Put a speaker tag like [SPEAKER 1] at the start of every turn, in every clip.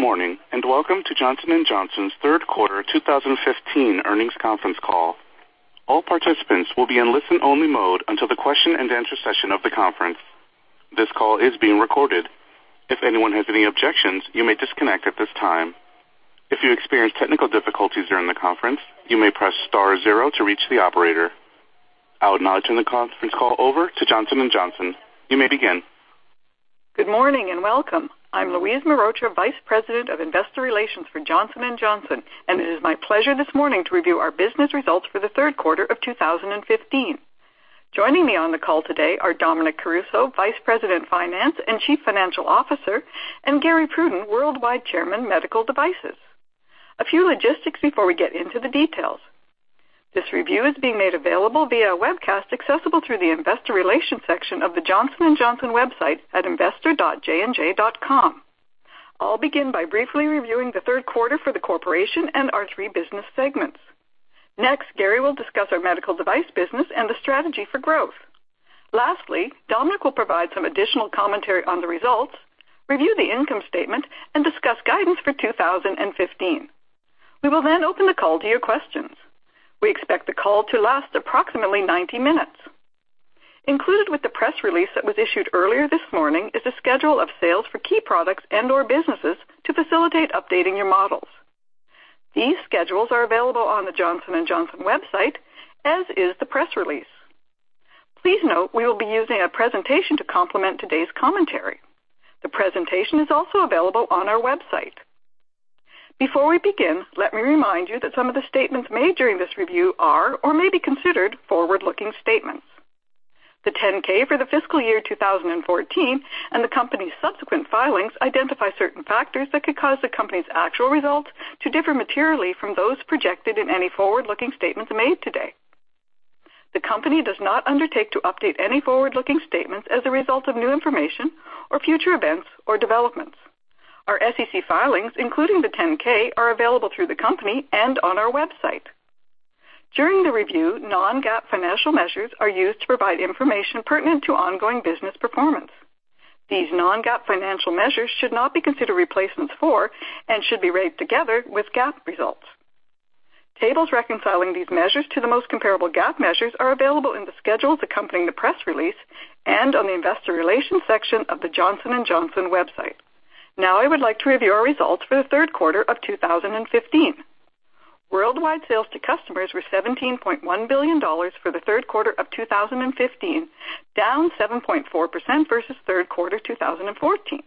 [SPEAKER 1] Good morning, and welcome to Johnson & Johnson's third quarter 2015 earnings conference call. All participants will be in listen-only mode until the question and answer session of the conference. This call is being recorded. If anyone has any objections, you may disconnect at this time. If you experience technical difficulties during the conference, you may press star zero to reach the operator. I would now turn the conference call over to Johnson & Johnson. You may begin.
[SPEAKER 2] Good morning, and welcome. I'm Louise Mehrotra, Vice President of Investor Relations for Johnson & Johnson, and it is my pleasure this morning to review our business results for the third quarter of 2015. Joining me on the call today are Dominic Caruso, Executive Vice President and Chief Financial Officer, and Gary Pruden, Worldwide Chairman, Medical Devices. A few logistics before we get into the details. This review is being made available via a webcast accessible through the investor relations section of the Johnson & Johnson website at investor.jnj.com. I'll begin by briefly reviewing the third quarter for the corporation and our three business segments. Next, Gary will discuss our medical device business and the strategy for growth. Lastly, Dominic will provide some additional commentary on the results, review the income statement, and discuss guidance for 2015. We will open the call to your questions. We expect the call to last approximately 90 minutes. Included with the press release that was issued earlier this morning is a schedule of sales for key products and/or businesses to facilitate updating your models. These schedules are available on the Johnson & Johnson website, as is the press release. Please note, we will be using a presentation to complement today's commentary. The presentation is also available on our website. Before we begin, let me remind you that some of the statements made during this review are or may be considered forward-looking statements. The 10-K for the fiscal year 2014 and the company's subsequent filings identify certain factors that could cause the company's actual results to differ materially from those projected in any forward-looking statements made today. The company does not undertake to update any forward-looking statements as a result of new information or future events or developments. Our SEC filings, including the 10-K, are available through the company and on our website. During the review, non-GAAP financial measures are used to provide information pertinent to ongoing business performance. These non-GAAP financial measures should not be considered replacements for and should be read together with GAAP results. Tables reconciling these measures to the most comparable GAAP measures are available in the schedules accompanying the press release and on the investor relations section of the Johnson & Johnson website. Now I would like to review our results for the third quarter of 2015. Worldwide sales to customers were $17.1 billion for the third quarter of 2015, down 7.4% versus third quarter 2014.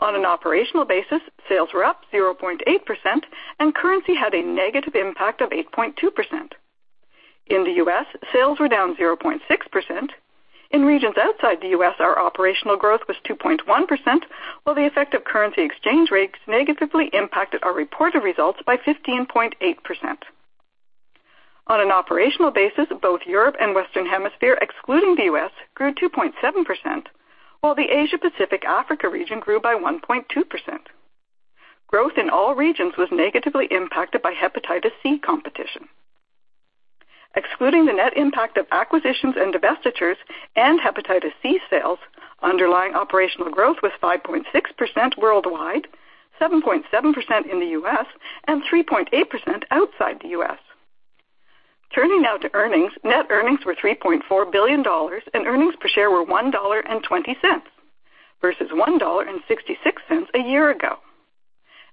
[SPEAKER 2] On an operational basis, sales were up 0.8% and currency had a negative impact of 8.2%. In the U.S., sales were down 0.6%. In regions outside the U.S., our operational growth was 2.1%, while the effect of currency exchange rates negatively impacted our reported results by 15.8%. On an operational basis, both Europe and Western Hemisphere, excluding the U.S., grew 2.7%, while the Asia-Pacific Africa region grew by 1.2%. Growth in all regions was negatively impacted by hepatitis C competition. Excluding the net impact of acquisitions and divestitures and hepatitis C sales, underlying operational growth was 5.6% worldwide, 7.7% in the U.S., and 3.8% outside the U.S. Turning now to earnings. Net earnings were $3.4 billion and earnings per share were $1.20 versus $1.66 a year ago.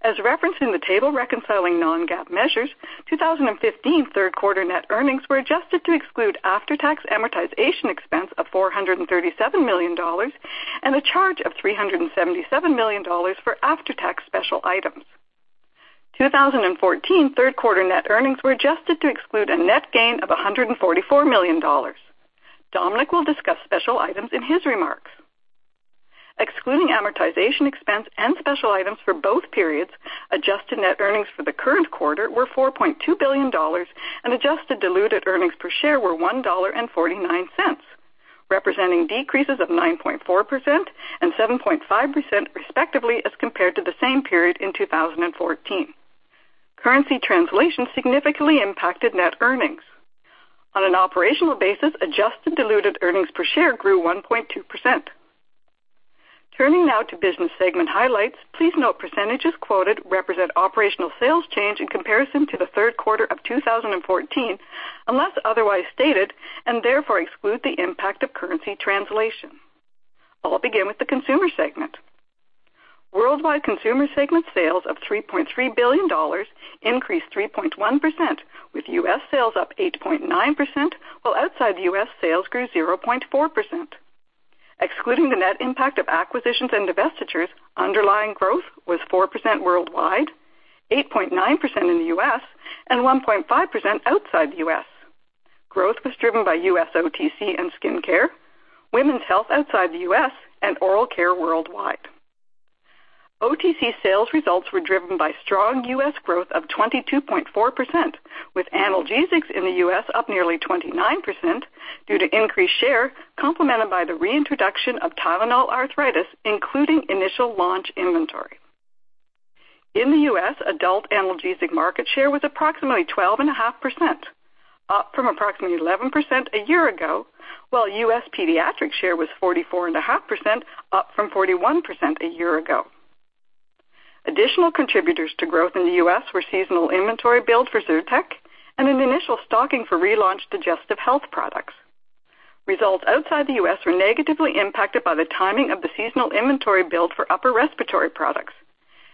[SPEAKER 2] As referenced in the table reconciling non-GAAP measures, 2015 third quarter net earnings were adjusted to exclude after-tax amortization expense of $437 million and a charge of $377 million for after-tax special items. 2014 third-quarter net earnings were adjusted to exclude a net gain of $144 million. Dominic will discuss special items in his remarks. Excluding amortization expense and special items for both periods, adjusted net earnings for the current quarter were $4.2 billion and adjusted diluted earnings per share were $1.49, representing decreases of 9.4% and 7.5% respectively as compared to the same period in 2014. Currency translation significantly impacted net earnings. On an operational basis, adjusted diluted earnings per share grew 1.2%. Turning now to business segment highlights. Please note percentages quoted represent operational sales change in comparison to the third quarter of 2014, unless otherwise stated, and therefore exclude the impact of currency translation. I'll begin with the consumer segment. Worldwide consumer segment sales of $3.3 billion increased 3.1%, with U.S. sales up 8.9% while outside the U.S. sales grew 0.4%. Excluding the net impact of acquisitions and divestitures, underlying growth was 4% worldwide, 8.9% in the U.S., and 1.5% outside the U.S. Growth was driven by U.S. OTC and skin care, women's health outside the U.S., and oral care worldwide. OTC sales results were driven by strong U.S. growth of 22.4%, with analgesics in the U.S. up nearly 29% due to increased share, complemented by the reintroduction of Tylenol Arthritis, including initial launch inventory. In the U.S., adult analgesic market share was approximately 12.5%, up from approximately 11% a year ago, while U.S. pediatric share was 44.5%, up from 41% a year ago. Additional contributors to growth in the U.S. were seasonal inventory build for Zyrtec and an initial stocking for relaunched digestive health products. Results outside the U.S. were negatively impacted by the timing of the seasonal inventory build for upper respiratory products.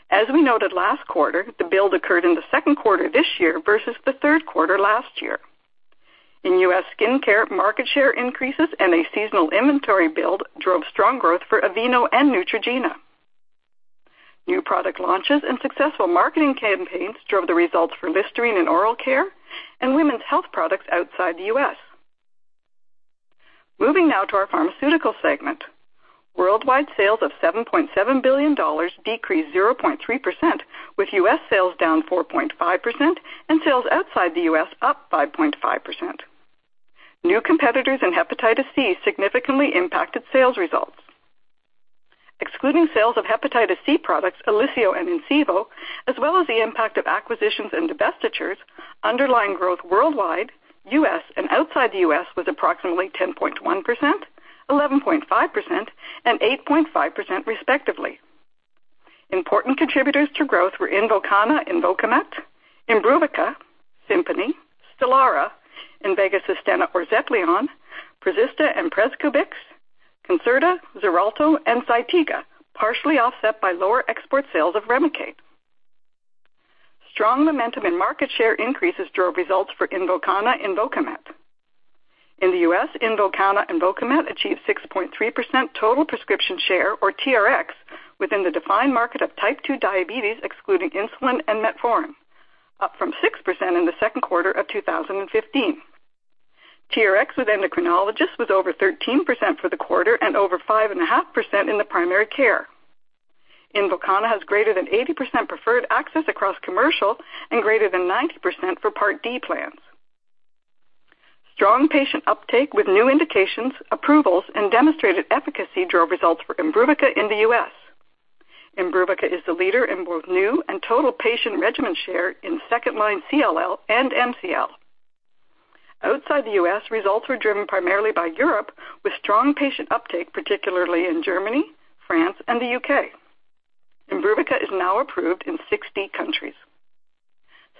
[SPEAKER 2] As we noted last quarter, the build occurred in the second quarter this year versus the third quarter last year. In U.S. skincare, market share increases and a seasonal inventory build drove strong growth for Aveeno and Neutrogena. New product launches and successful marketing campaigns drove the results for Listerine and oral care and women's health products outside the U.S. Moving now to our pharmaceutical segment. Worldwide sales of $7.7 billion decreased 0.3%, with U.S. sales down 4.5% and sales outside the U.S. up 5.5%. New competitors in hepatitis C significantly impacted sales results. Excluding sales of hepatitis C products, OLYSIO and INCIVO, as well as the impact of acquisitions and divestitures, underlying growth worldwide, U.S. and outside the U.S., was approximately 10.1%, 11.5% and 8.5% respectively. Important contributors to growth were INVOKANA, INVOKAMET, IMBRUVICA, SIMPONI, STELARA, INVEGA SUSTENNA or XEPLION, PRISTIQ and PREZCOBIX, CONCERTA, XARELTO and ZYTIGA, partially offset by lower export sales of REMICADE. Strong momentum and market share increases drove results for INVOKANA, INVOKAMET. In the U.S., INVOKANA, INVOKAMET achieved 6.3% total prescription share or TRX within the defined market of type 2 diabetes, excluding insulin and metformin, up from 6% in the second quarter of 2015. TRX with endocrinologists was over 13% for the quarter and over 5.5% in the primary care. INVOKANA has greater than 80% preferred access across commercial and greater than 90% for Part D plans. Strong patient uptake with new indications, approvals and demonstrated efficacy drove results for IMBRUVICA in the U.S. IMBRUVICA is the leader in both new and total patient regimen share in second line CLL and MCL. Outside the U.S., results were driven primarily by Europe, with strong patient uptake, particularly in Germany, France and the U.K. IMBRUVICA is now approved in 60 countries.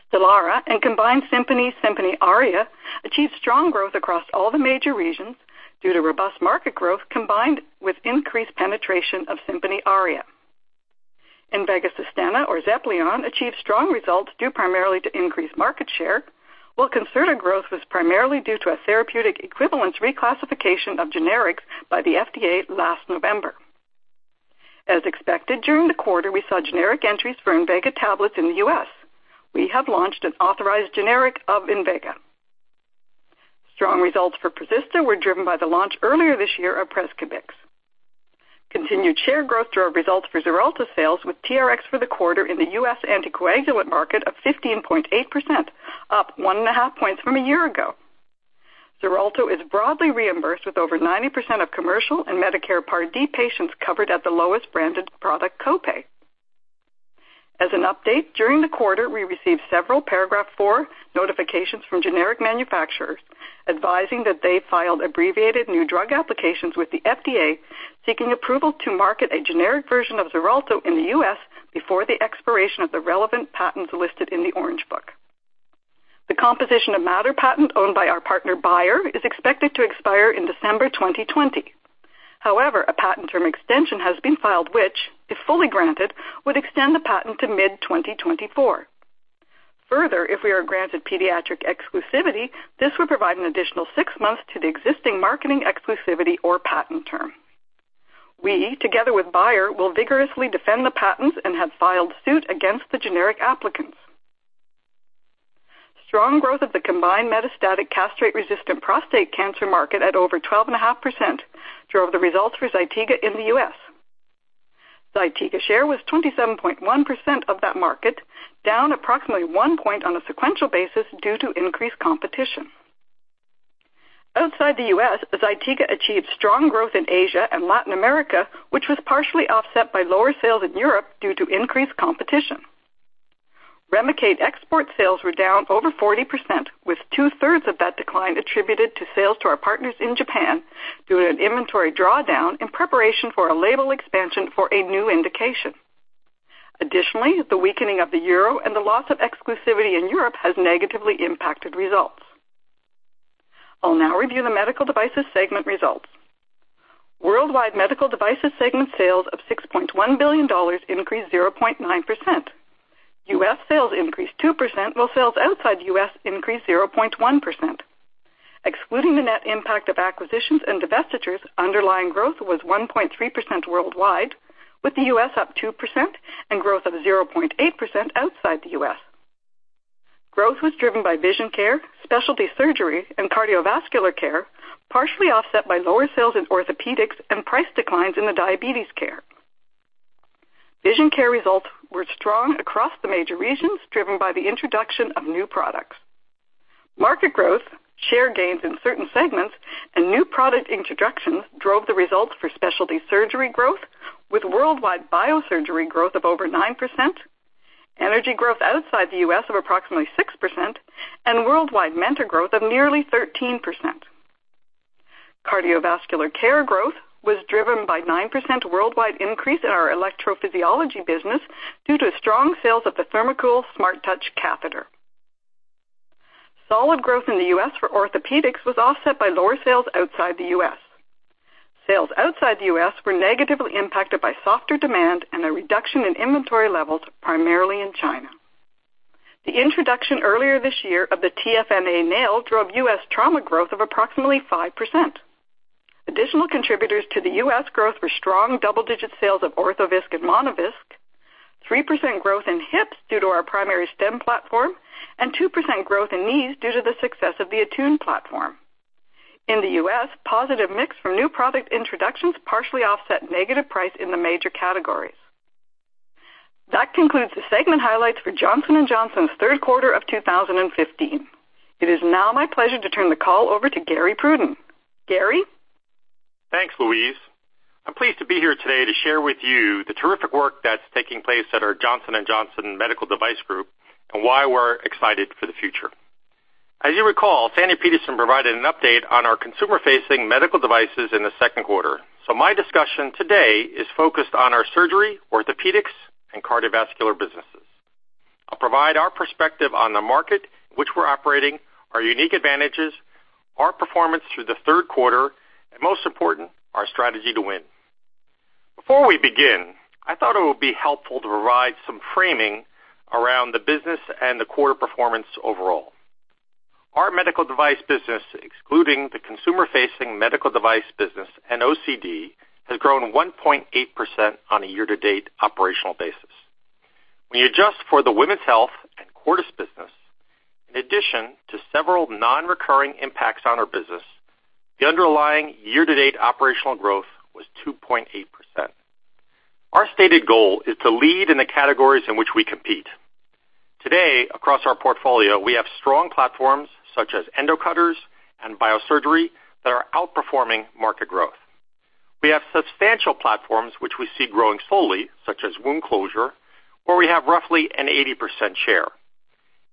[SPEAKER 2] STELARA and combined SIMPONI ARIA achieved strong growth across all the major regions due to robust market growth combined with increased penetration of SIMPONI ARIA. INVEGA SUSTENNA or XEPLION achieved strong results due primarily to increased market share, while CONCERTA growth was primarily due to a therapeutic equivalence reclassification of generics by the FDA last November. As expected, during the quarter, we saw generic entries for INVEGA tablets in the U.S. We have launched an authorized generic of INVEGA. Strong results for PREZISTA were driven by the launch earlier this year of PREZCOBIX. Continued share growth drove results for XARELTO sales, with TRX for the quarter in the U.S. anticoagulant market of 15.8%, up 1.5 points from a year ago. XARELTO is broadly reimbursed, with over 90% of commercial and Medicare Part D patients covered at the lowest branded product copay. As an update, during the quarter, we received several paragraph four notifications from generic manufacturers advising that they filed abbreviated new drug applications with the FDA seeking approval to market a generic version of XARELTO in the U.S. before the expiration of the relevant patents listed in the Orange Book. A patent term extension has been filed which, if fully granted, would extend the patent to mid-2024. Furthermore, if we are granted pediatric exclusivity, this would provide an additional six months to the existing marketing exclusivity or patent term. We, together with Bayer, will vigorously defend the patents and have filed suit against the generic applicants. Strong growth of the combined metastatic castrate-resistant prostate cancer market at over 12.5% drove the results for ZYTIGA in the U.S. ZYTIGA share was 27.1% of that market, down approximately one point on a sequential basis due to increased competition. Outside the U.S., ZYTIGA achieved strong growth in Asia and Latin America, which was partially offset by lower sales in Europe due to increased competition. REMICADE export sales were down over 40%, with two-thirds of that decline attributed to sales to our partners in Japan due to an inventory drawdown in preparation for a label expansion for a new indication. Additionally, the weakening of the euro and the loss of exclusivity in Europe has negatively impacted results. I'll now review the Medical Devices segment results. Worldwide Medical Devices segment sales of $6.1 billion increased 0.9%. U.S. sales increased 2% while sales outside the U.S. increased 0.1%. Excluding the net impact of acquisitions and divestitures, underlying growth was 1.3% worldwide, with the U.S. up 2% and growth of 0.8% outside the U.S. Growth was driven by vision care, specialty surgery and cardiovascular care, partially offset by lower sales in orthopedics and price declines in the diabetes care. Vision care results were strong across the major regions, driven by the introduction of new products. Market growth, share gains in certain segments, and new product introductions drove the results for specialty surgery growth with worldwide biosurgery growth of over 9%, energy growth outside the U.S. of approximately 6%, and worldwide MENTOR growth of nearly 13%. Cardiovascular care growth was driven by 9% worldwide increase in our electrophysiology business due to strong sales of the THERMOCOOL SMARTTOUCH Catheter. Solid growth in the U.S. for orthopedics was offset by lower sales outside the U.S. Sales outside the U.S. were negatively impacted by softer demand and a reduction in inventory levels, primarily in China. The introduction earlier this year of the TFNA nail drove U.S. trauma growth of approximately 5%. Additional contributors to the U.S. growth were strong double-digit sales of ORTHOVISC and MonoVisc, 3% growth in hips due to our primary stems platform, and 2% growth in knees due to the success of the ATTUNE platform. In the U.S., positive mix from new product introductions partially offset negative price in the major categories. That concludes the segment highlights for Johnson & Johnson's third quarter of 2015. It is now my pleasure to turn the call over to Gary Pruden. Gary?
[SPEAKER 3] Thanks, Louise. I'm pleased to be here today to share with you the terrific work that's taking place at our Johnson & Johnson Medical Device group and why we're excited for the future. As you recall, Sandi Peterson provided an update on our consumer-facing medical devices in the second quarter. My discussion today is focused on our surgery, orthopedics, and cardiovascular businesses. I'll provide our perspective on the market in which we're operating, our unique advantages, our performance through the third quarter, and most important, our strategy to win. Before we begin, I thought it would be helpful to provide some framing around the business and the quarter performance overall. Our medical device business, excluding the consumer-facing medical device business and OCD, has grown 1.8% on a year-to-date operational basis. When you adjust for the women's health and Cordis business, in addition to several non-recurring impacts on our business, the underlying year-to-date operational growth was 2.8%. Our stated goal is to lead in the categories in which we compete. Today, across our portfolio, we have strong platforms such as endocutters and biosurgery that are outperforming market growth. We have substantial platforms which we see growing slowly, such as wound closure, where we have roughly an 80% share,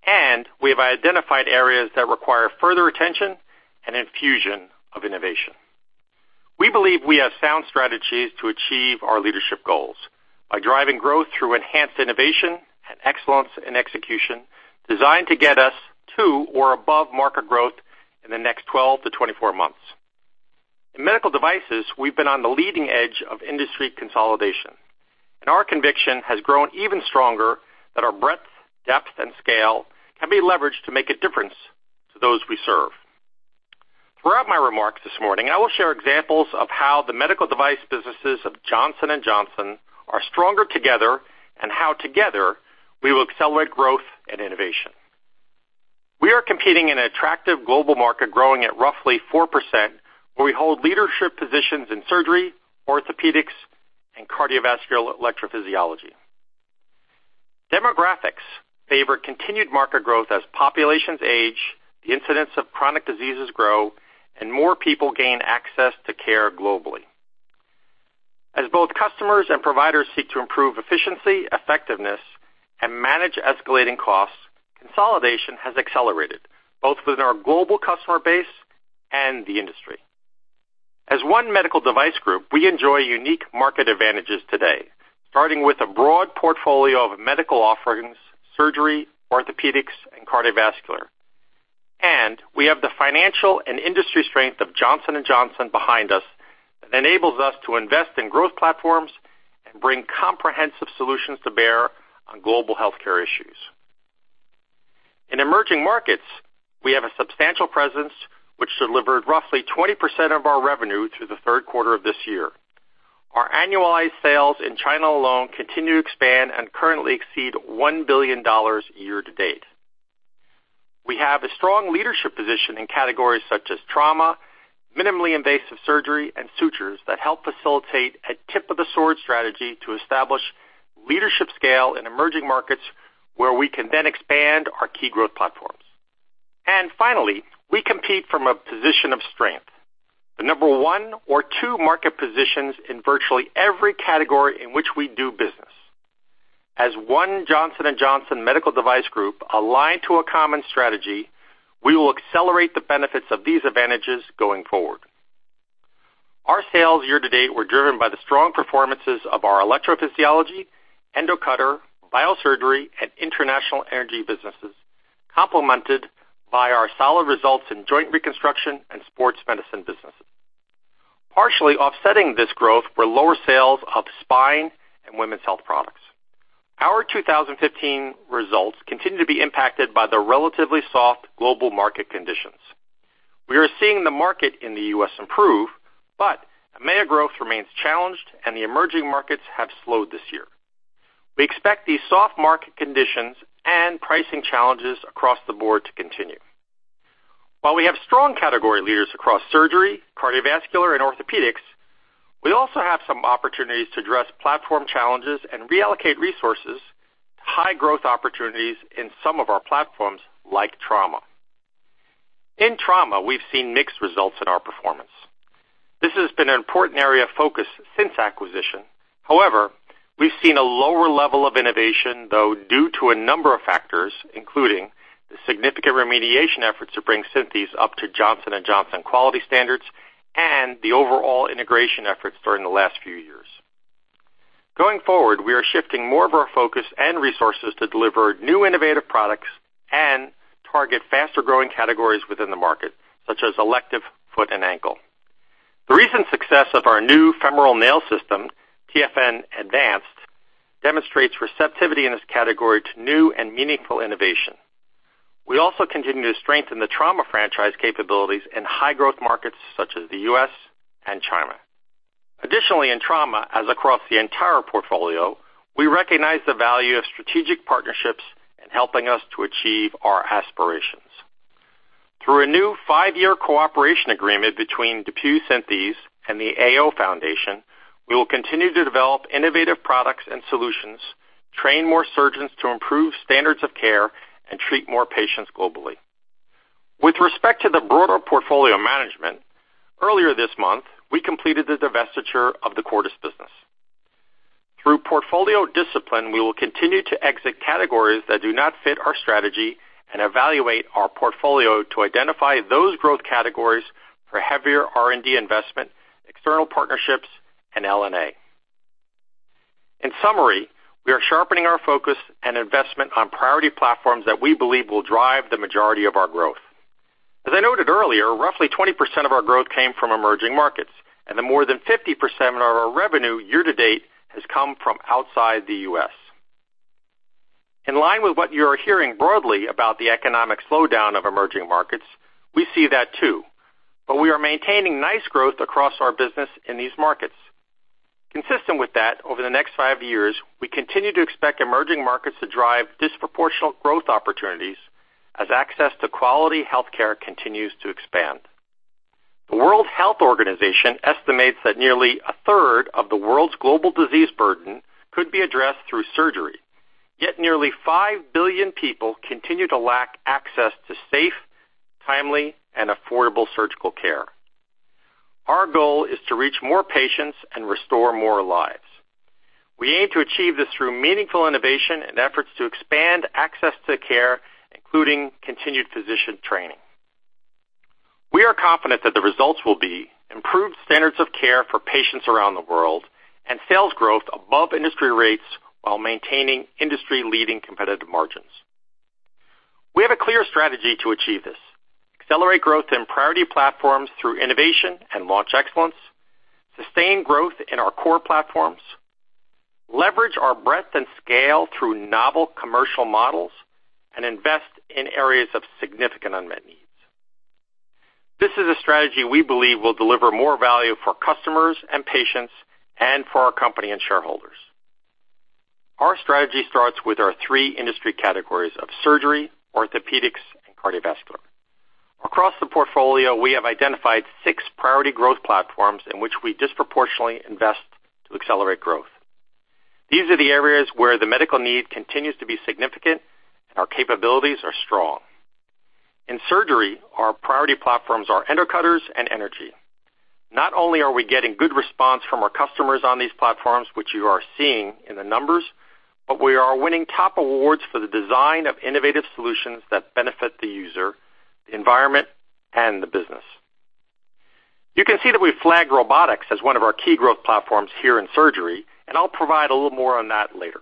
[SPEAKER 3] and we have identified areas that require further attention and infusion of innovation. We believe we have sound strategies to achieve our leadership goals by driving growth through enhanced innovation and excellence in execution designed to get us to or above market growth in the next 12-24 months. In medical devices, we've been on the leading edge of industry consolidation, and our conviction has grown even stronger that our breadth, depth, and scale can be leveraged to make a difference to those we serve. Throughout my remarks this morning, I will share examples of how the medical device businesses of Johnson & Johnson are stronger together, and how together we will accelerate growth and innovation. We are competing in an attractive global market growing at roughly 4%, where we hold leadership positions in surgery, orthopaedics, and cardiovascular electrophysiology. Demographics favor continued market growth as populations age, the incidence of chronic diseases grow, and more people gain access to care globally. As both customers and providers seek to improve efficiency, effectiveness, and manage escalating costs, consolidation has accelerated both within our global customer base and the industry. As one Medical Device group, we enjoy unique market advantages today, starting with a broad portfolio of medical offerings, surgery, orthopaedics, and cardiovascular. We have the financial and industry strength of Johnson & Johnson behind us that enables us to invest in growth platforms and bring comprehensive solutions to bear on global healthcare issues. In emerging markets, we have a substantial presence, which delivered roughly 20% of our revenue through the third quarter of this year. Our annualized sales in China alone continue to expand and currently exceed $1 billion year to date. We have a strong leadership position in categories such as trauma, minimally invasive surgery, and sutures that help facilitate a tip-of-the-sword strategy to establish leadership scale in emerging markets, where we can expand our key growth platforms. Finally, we compete from a position of strength, the number one or two market positions in virtually every category in which we do business. As one Johnson & Johnson Medical Device group aligned to a common strategy, we will accelerate the benefits of these advantages going forward. Our sales year to date were driven by the strong performances of our electrophysiology, endocutter, biosurgery, and international energy businesses, complemented by our solid results in joint reconstruction and sports medicine businesses. Partially offsetting this growth were lower sales of spine and women's health products. Our 2015 results continue to be impacted by the relatively soft global market conditions. We are seeing the market in the U.S. improve, EMEA growth remains challenged, and the emerging markets have slowed this year. We expect these soft market conditions and pricing challenges across the board to continue. While we have strong category leaders across surgery, cardiovascular, and orthopaedics, we also have some opportunities to address platform challenges and reallocate resources to high growth opportunities in some of our platforms like trauma. In trauma, we've seen mixed results in our performance. This has been an important area of focus since acquisition. However, we've seen a lower level of innovation, though, due to a number of factors, including the significant remediation efforts to bring Synthes up to Johnson & Johnson quality standards and the overall integration efforts during the last few years. Going forward, we are shifting more of our focus and resources to deliver new innovative products and target faster-growing categories within the market, such as elective foot and ankle. The recent success of our new femoral nail system, TFN-ADVANCED, demonstrates receptivity in this category to new and meaningful innovation. We also continue to strengthen the trauma franchise capabilities in high growth markets such as the U.S. and China. Additionally, in trauma, as across the entire portfolio, we recognize the value of strategic partnerships in helping us to achieve our aspirations. Through a new five-year cooperation agreement between DePuy Synthes and the AO Foundation, we will continue to develop innovative products and solutions, train more surgeons to improve standards of care, and treat more patients globally. With respect to the broader portfolio management, earlier this month, we completed the divestiture of the Cordis business. Through portfolio discipline, we will continue to exit categories that do not fit our strategy and evaluate our portfolio to identify those growth categories for heavier R&D investment, external partnerships, and L&A. In summary, we are sharpening our focus and investment on priority platforms that we believe will drive the majority of our growth. As I noted earlier, roughly 20% of our growth came from emerging markets, more than 50% of our revenue year to date has come from outside the U.S. In line with what you are hearing broadly about the economic slowdown of emerging markets, we see that too, we are maintaining nice growth across our business in these markets. Consistent with that, over the next five years, we continue to expect emerging markets to drive disproportional growth opportunities as access to quality healthcare continues to expand. The World Health Organization estimates that nearly a third of the world's global disease burden could be addressed through surgery, yet nearly 5 billion people continue to lack access to safe, timely, and affordable surgical care. Our goal is to reach more patients and restore more lives. We aim to achieve this through meaningful innovation and efforts to expand access to care, including continued physician training. We are confident that the results will be improved standards of care for patients around the world and sales growth above industry rates while maintaining industry-leading competitive margins. We have a clear strategy to achieve this. Accelerate growth in priority platforms through innovation and launch excellence. Sustain growth in our core platforms. Leverage our breadth and scale through novel commercial models. Invest in areas of significant unmet needs. This is a strategy we believe will deliver more value for customers and patients, and for our company and shareholders. Our strategy starts with our 3 industry categories of surgery, orthopedics, and cardiovascular. Across the portfolio, we have identified six priority growth platforms in which we disproportionately invest to accelerate growth. These are the areas where the medical need continues to be significant and our capabilities are strong. In surgery, our priority platforms are endocutters and energy. Not only are we getting good response from our customers on these platforms, which you are seeing in the numbers, we are winning top awards for the design of innovative solutions that benefit the user, the environment, and the business. You can see that we flagged robotics as one of our key growth platforms here in surgery, I'll provide a little more on that later.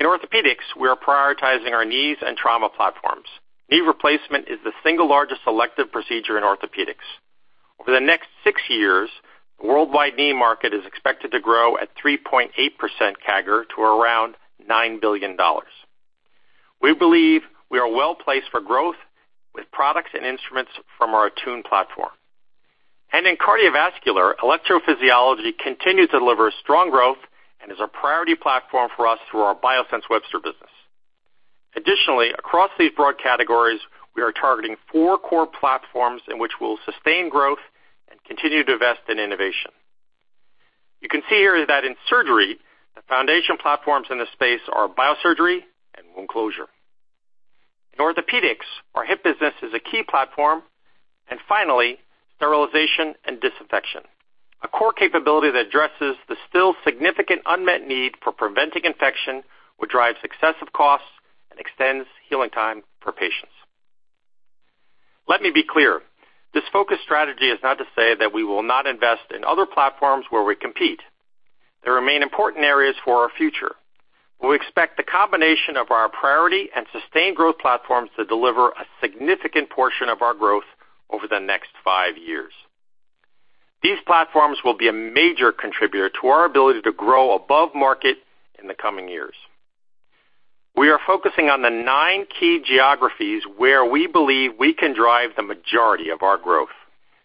[SPEAKER 3] In orthopedics, we are prioritizing our knees and trauma platforms. Knee replacement is the single largest elective procedure in orthopedics. Over the next six years, the worldwide knee market is expected to grow at 3.8% CAGR to around $9 billion. We believe we are well-placed for growth with products and instruments from our ATTUNE platform. In cardiovascular, electrophysiology continues to deliver strong growth and is a priority platform for us through our Biosense Webster business. Additionally, across these broad categories, we are targeting four core platforms in which we will sustain growth and continue to invest in innovation. You can see here that in surgery, the foundation platforms in this space are biosurgery and wound closure. In orthopedics, our hip business is a key platform. Finally, sterilization and disinfection, a core capability that addresses the still significant unmet need for preventing infection, which drives excessive costs and extends healing time for patients. Let me be clear. This focus strategy is not to say that we will not invest in other platforms where we compete. There remain important areas for our future. We expect the combination of our priority and sustained growth platforms to deliver a significant portion of our growth over the next five years. These platforms will be a major contributor to our ability to grow above market in the coming years. We are focusing on the nine key geographies where we believe we can drive the majority of our growth.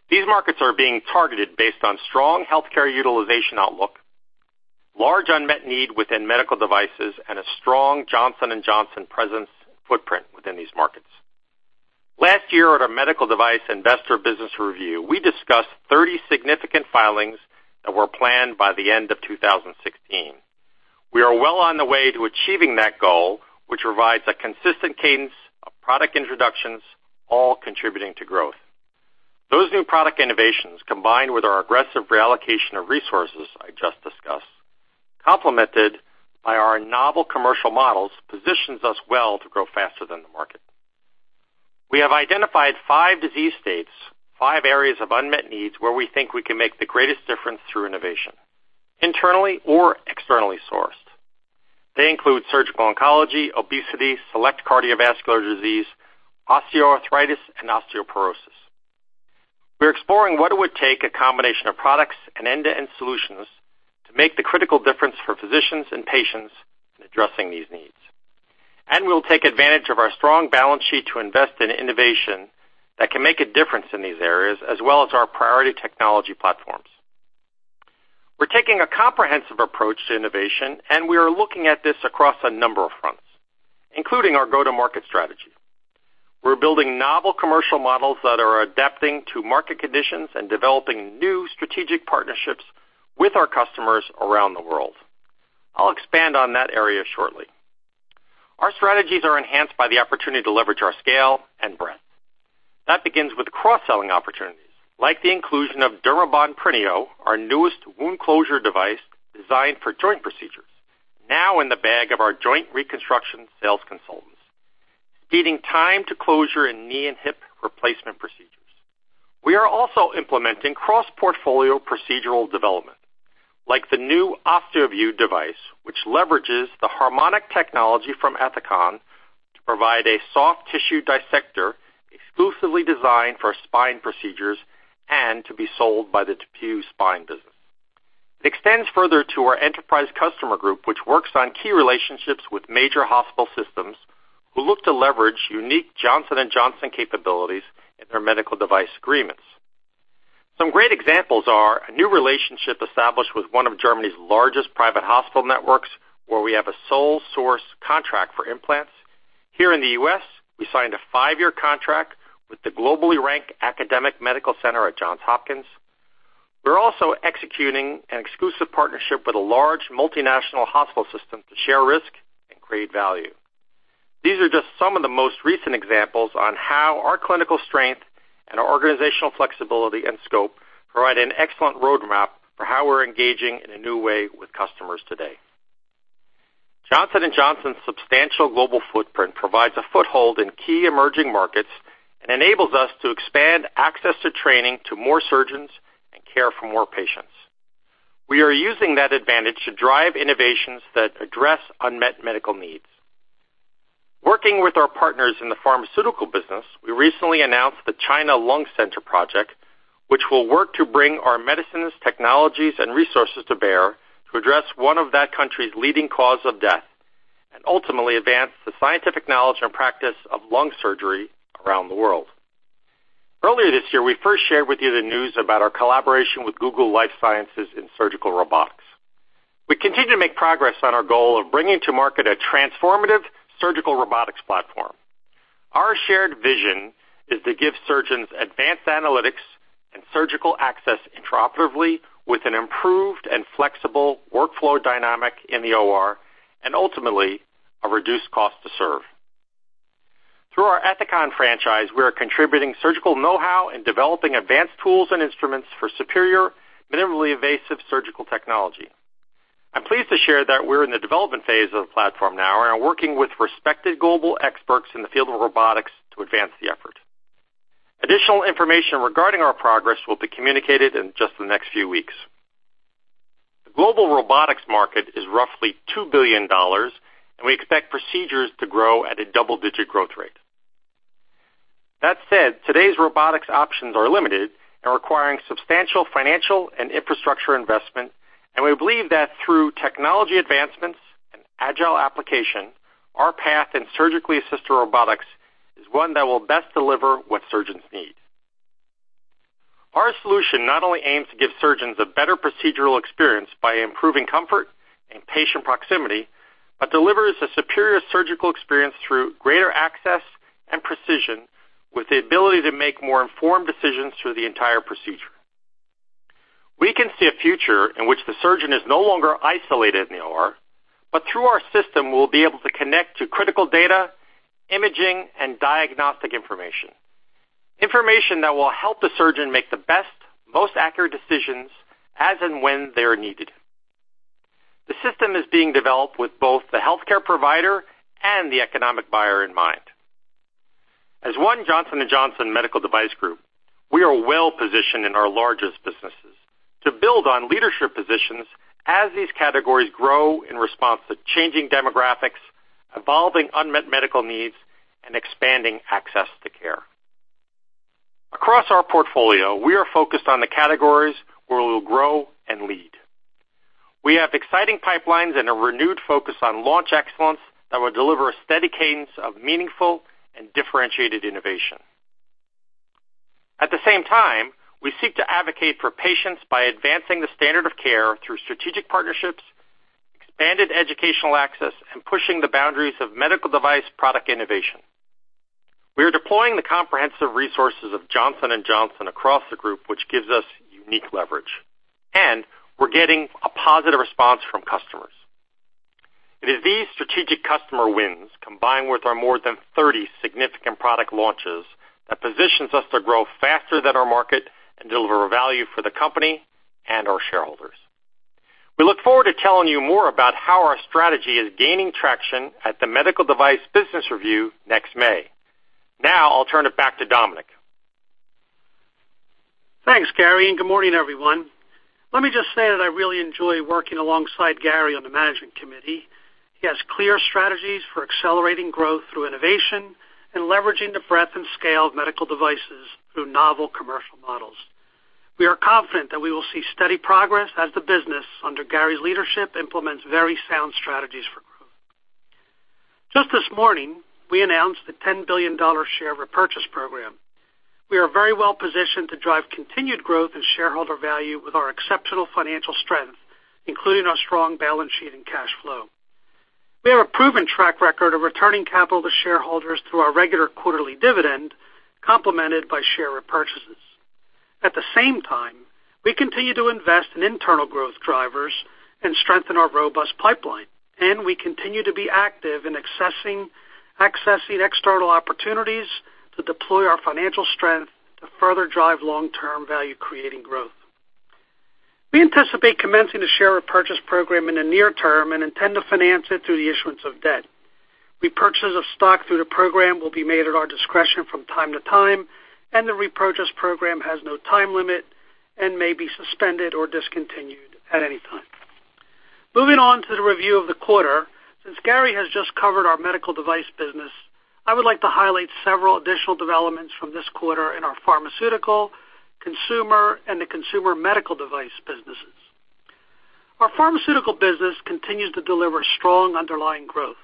[SPEAKER 3] These markets are being targeted based on strong healthcare utilization outlook, large unmet need within medical devices and a strong Johnson & Johnson presence footprint within these markets. Last year, at our medical device investor business review, we discussed 30 significant filings that were planned by the end of 2016. We are well on the way to achieving that goal, which provides a consistent cadence of product introductions, all contributing to growth. Those new product innovations, combined with our aggressive reallocation of resources I just discussed, complemented by our novel commercial models, positions us well to grow faster than the market. We have identified five disease states, five areas of unmet needs where we think we can make the greatest difference through innovation, internally or externally sourced. They include surgical oncology, obesity, select cardiovascular disease, osteoarthritis, and osteoporosis. We are exploring what it would take a combination of products and end-to-end solutions to make the critical difference for physicians and patients in addressing these needs. We will take advantage of our strong balance sheet to invest in innovation that can make a difference in these areas, as well as our priority technology platforms. We are taking a comprehensive approach to innovation, and we are looking at this across a number of fronts, including our go-to-market strategy. We are building novel commercial models that are adapting to market conditions and developing new strategic partnerships with our customers around the world. I will expand on that area shortly. Our strategies are enhanced by the opportunity to leverage our scale and breadth. That begins with cross-selling opportunities, like the inclusion of DERMABOND PRINEO, our newest wound closure device designed for joint procedures, now in the bag of our joint reconstruction sales consultants, speeding time to closure in knee and hip replacement procedures. We are also implementing cross-portfolio procedural development, like the new OsteoView device, which leverages the HARMONIC technology from Ethicon to provide a soft tissue dissector exclusively designed for spine procedures and to be sold by the DePuy Spine business. It extends further to our enterprise customer group, which works on key relationships with major hospital systems who look to leverage unique Johnson & Johnson capabilities in their medical device agreements. Some great examples are a new relationship established with one of Germany's largest private hospital networks, where we have a sole source contract for implants. Here in the U.S., we signed a five-year contract with the globally ranked academic medical center at Johns Hopkins. We're also executing an exclusive partnership with a large multinational hospital system to share risk and create value. These are just some of the most recent examples on how our clinical strength and our organizational flexibility and scope provide an excellent roadmap for how we're engaging in a new way with customers today. Johnson & Johnson's substantial global footprint provides a foothold in key emerging markets and enables us to expand access to training to more surgeons and care for more patients. We are using that advantage to drive innovations that address unmet medical needs. Working with our partners in the pharmaceutical business, we recently announced the China Lung Cancer Center project, which will work to bring our medicines, technologies, and resources to bear to address one of that country's leading cause of death, and ultimately advance the scientific knowledge and practice of lung surgery around the world. Earlier this year, we first shared with you the news about our collaboration with Google Life Sciences in surgical robotics. We continue to make progress on our goal of bringing to market a transformative surgical robotics platform. Our shared vision is to give surgeons advanced analytics and surgical access intraoperatively with an improved and flexible workflow dynamic in the OR, and ultimately, a reduced cost to serve. Through our Ethicon franchise, we are contributing surgical know-how and developing advanced tools and instruments for superior, minimally invasive surgical technology. I'm pleased to share that we're in the development phase of the platform now and are working with respected global experts in the field of robotics to advance the effort. Additional information regarding our progress will be communicated in just the next few weeks. The global robotics market is roughly $2 billion, and we expect procedures to grow at a double-digit growth rate. That said, today's robotics options are limited and requiring substantial financial and infrastructure investment, and we believe that through technology advancements and agile application, our path in surgically assisted robotics is one that will best deliver what surgeons need. Our solution not only aims to give surgeons a better procedural experience by improving comfort and patient proximity, but delivers a superior surgical experience through greater access and precision with the ability to make more informed decisions through the entire procedure. We can see a future in which the surgeon is no longer isolated in the OR, but through our system, will be able to connect to critical data, imaging, and diagnostic information. Information that will help the surgeon make the best, most accurate decisions as and when they are needed. The system is being developed with both the healthcare provider and the economic buyer in mind. As one Johnson & Johnson Medical Device Group, we are well positioned in our largest businesses to build on leadership positions as these categories grow in response to changing demographics, evolving unmet medical needs, and expanding access to care. Across our portfolio, we are focused on the categories where we will grow and lead. We have exciting pipelines and a renewed focus on launch excellence that will deliver a steady cadence of meaningful and differentiated innovation. At the same time, we seek to advocate for patients by advancing the standard of care through strategic partnerships, expanded educational access, and pushing the boundaries of medical device product innovation. We are deploying the comprehensive resources of Johnson & Johnson across the group, which gives us unique leverage, and we're getting a positive response from customers. It is these strategic customer wins, combined with our more than 30 significant product launches, that positions us to grow faster than our market and deliver value for the company and our shareholders. We look forward to telling you more about how our strategy is gaining traction at the Medical Device Business Review next May. I'll turn it back to Dominic.
[SPEAKER 4] Thanks, Gary. Good morning, everyone. Let me just say that I really enjoy working alongside Gary on the Management Committee. He has clear strategies for accelerating growth through innovation and leveraging the breadth and scale of medical devices through novel commercial models. We are confident that we will see steady progress as the business, under Gary's leadership, implements very sound strategies for growth. Just this morning, we announced the $10 billion share repurchase program. We are very well positioned to drive continued growth and shareholder value with our exceptional financial strength, including our strong balance sheet and cash flow. We have a proven track record of returning capital to shareholders through our regular quarterly dividend, complemented by share repurchases. We continue to invest in internal growth drivers and strengthen our robust pipeline. We continue to be active in accessing external opportunities to deploy our financial strength to further drive long-term value creating growth. We anticipate commencing the share repurchase program in the near term and intend to finance it through the issuance of debt. The repurchase program has no time limit and may be suspended or discontinued at any time. Moving on to the review of the quarter. Since Gary has just covered our Medical Device business, I would like to highlight several additional developments from this quarter in our Pharmaceutical, Consumer, and the Consumer Medical Device businesses. Our Pharmaceutical business continues to deliver strong underlying growth.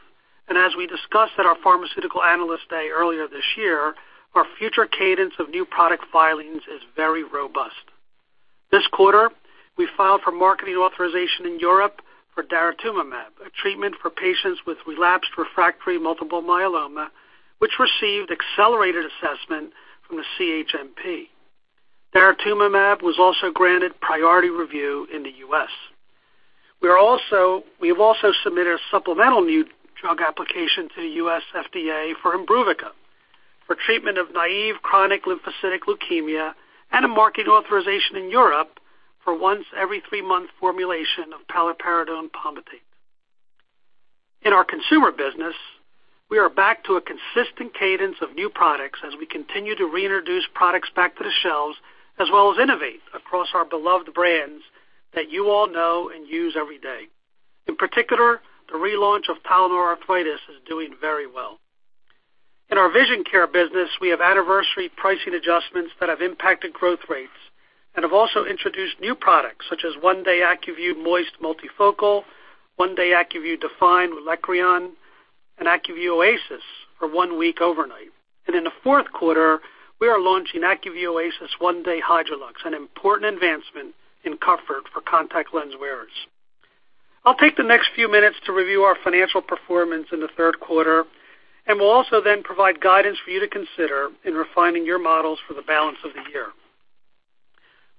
[SPEAKER 4] As we discussed at our Pharmaceutical Analyst Day earlier this year, our future cadence of new product filings is very robust. This quarter, we filed for marketing authorization in Europe for daratumumab, a treatment for patients with relapsed refractory multiple myeloma, which received accelerated assessment from the CHMP. Daratumumab was also granted priority review in the U.S. We have also submitted a supplemental new drug application to the U.S. FDA for IMBRUVICA, for treatment of naive chronic lymphocytic leukemia and a marketing authorization in Europe for once every three-month formulation of paliperidone palmitate. In our consumer business, we are back to a consistent cadence of new products as we continue to reintroduce products back to the shelves, as well as innovate across our beloved brands that you all know and use every day. In particular, the relaunch of Tylenol Arthritis is doing very well. In our vision care business, we have anniversary pricing adjustments that have impacted growth rates and have also introduced new products such as 1-DAY ACUVUE MOIST MULTIFOCAL, 1-DAY ACUVUE DEFINE with LACREON, and ACUVUE OASYS for 1 week overnight. In the fourth quarter, we are launching ACUVUE OASYS 1-DAY with HydraLuxe, an important advancement in comfort for contact lens wearers. I'll take the next few minutes to review our financial performance in the third quarter, and will also then provide guidance for you to consider in refining your models for the balance of the year.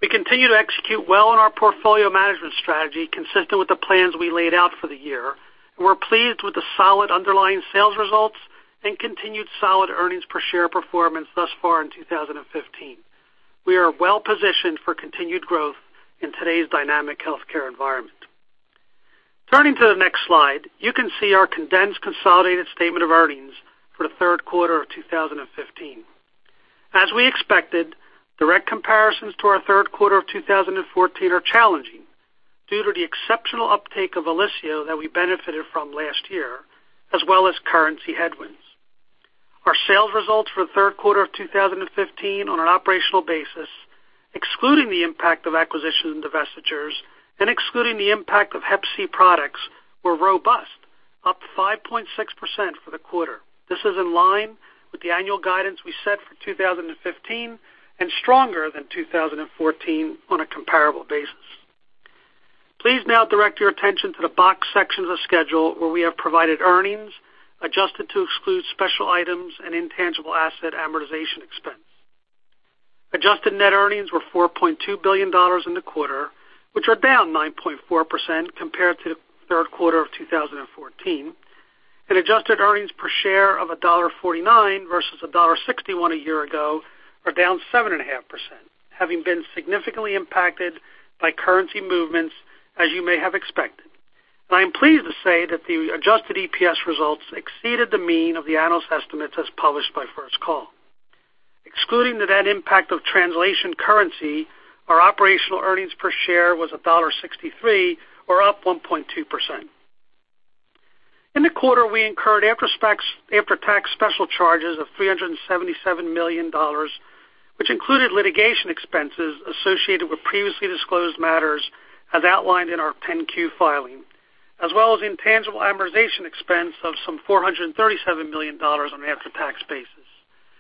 [SPEAKER 4] We continue to execute well on our portfolio management strategy, consistent with the plans we laid out for the year. We're pleased with the solid underlying sales results and continued solid earnings per share performance thus far in 2015. We are well positioned for continued growth in today's dynamic healthcare environment. Turning to the next slide, you can see our condensed consolidated statement of earnings for the third quarter of 2015. As we expected, direct comparisons to our third quarter of 2014 are challenging due to the exceptional uptake of OLYSIO that we benefited from last year, as well as currency headwinds. Our sales results for the third quarter of 2015 on an operational basis, excluding the impact of acquisitions and divestitures and excluding the impact of Hep C products, were robust, up 5.6% for the quarter. This is in line with the annual guidance we set for 2015 and stronger than 2014 on a comparable basis. Please now direct your attention to the box sections of schedule where we have provided earnings adjusted to exclude special items and intangible asset amortization expense. Adjusted net earnings were $4.2 billion in the quarter, which are down 9.4% compared to the third quarter of 2014, and adjusted earnings per share of $1.49 versus $1.61 a year ago are down 7.5%, having been significantly impacted by currency movements as you may have expected. I am pleased to say that the adjusted EPS results exceeded the mean of the analyst estimates as published by First Call. Excluding the net impact of translation currency, our operational earnings per share was $1.63, or up 1.2%. In the quarter, we incurred after-tax special charges of $377 million, which included litigation expenses associated with previously disclosed matters as outlined in our 10-Q filing. As well as intangible amortization expense of some $437 million on an after-tax basis,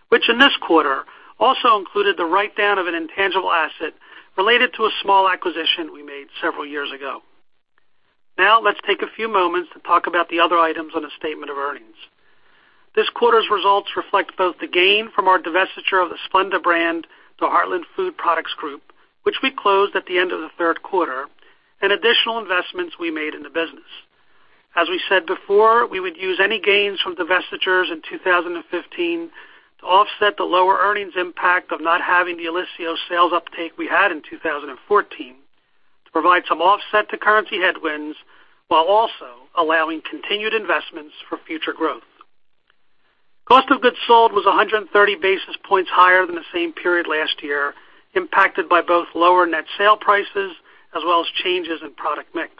[SPEAKER 4] which in this quarter also included the write-down of an intangible asset related to a small acquisition we made several years ago. Now, let's take a few moments to talk about the other items on the statement of earnings. This quarter's results reflect both the gain from our divestiture of the Splenda brand to Heartland Food Products Group, which we closed at the end of the third quarter, and additional investments we made in the business. As we said before, we would use any gains from divestitures in 2015 to offset the lower earnings impact of not having the OLYSIO sales uptake we had in 2014, to provide some offset to currency headwinds, while also allowing continued investments for future growth. Cost of goods sold was 130 basis points higher than the same period last year, impacted by both lower net sale prices as well as changes in product mix.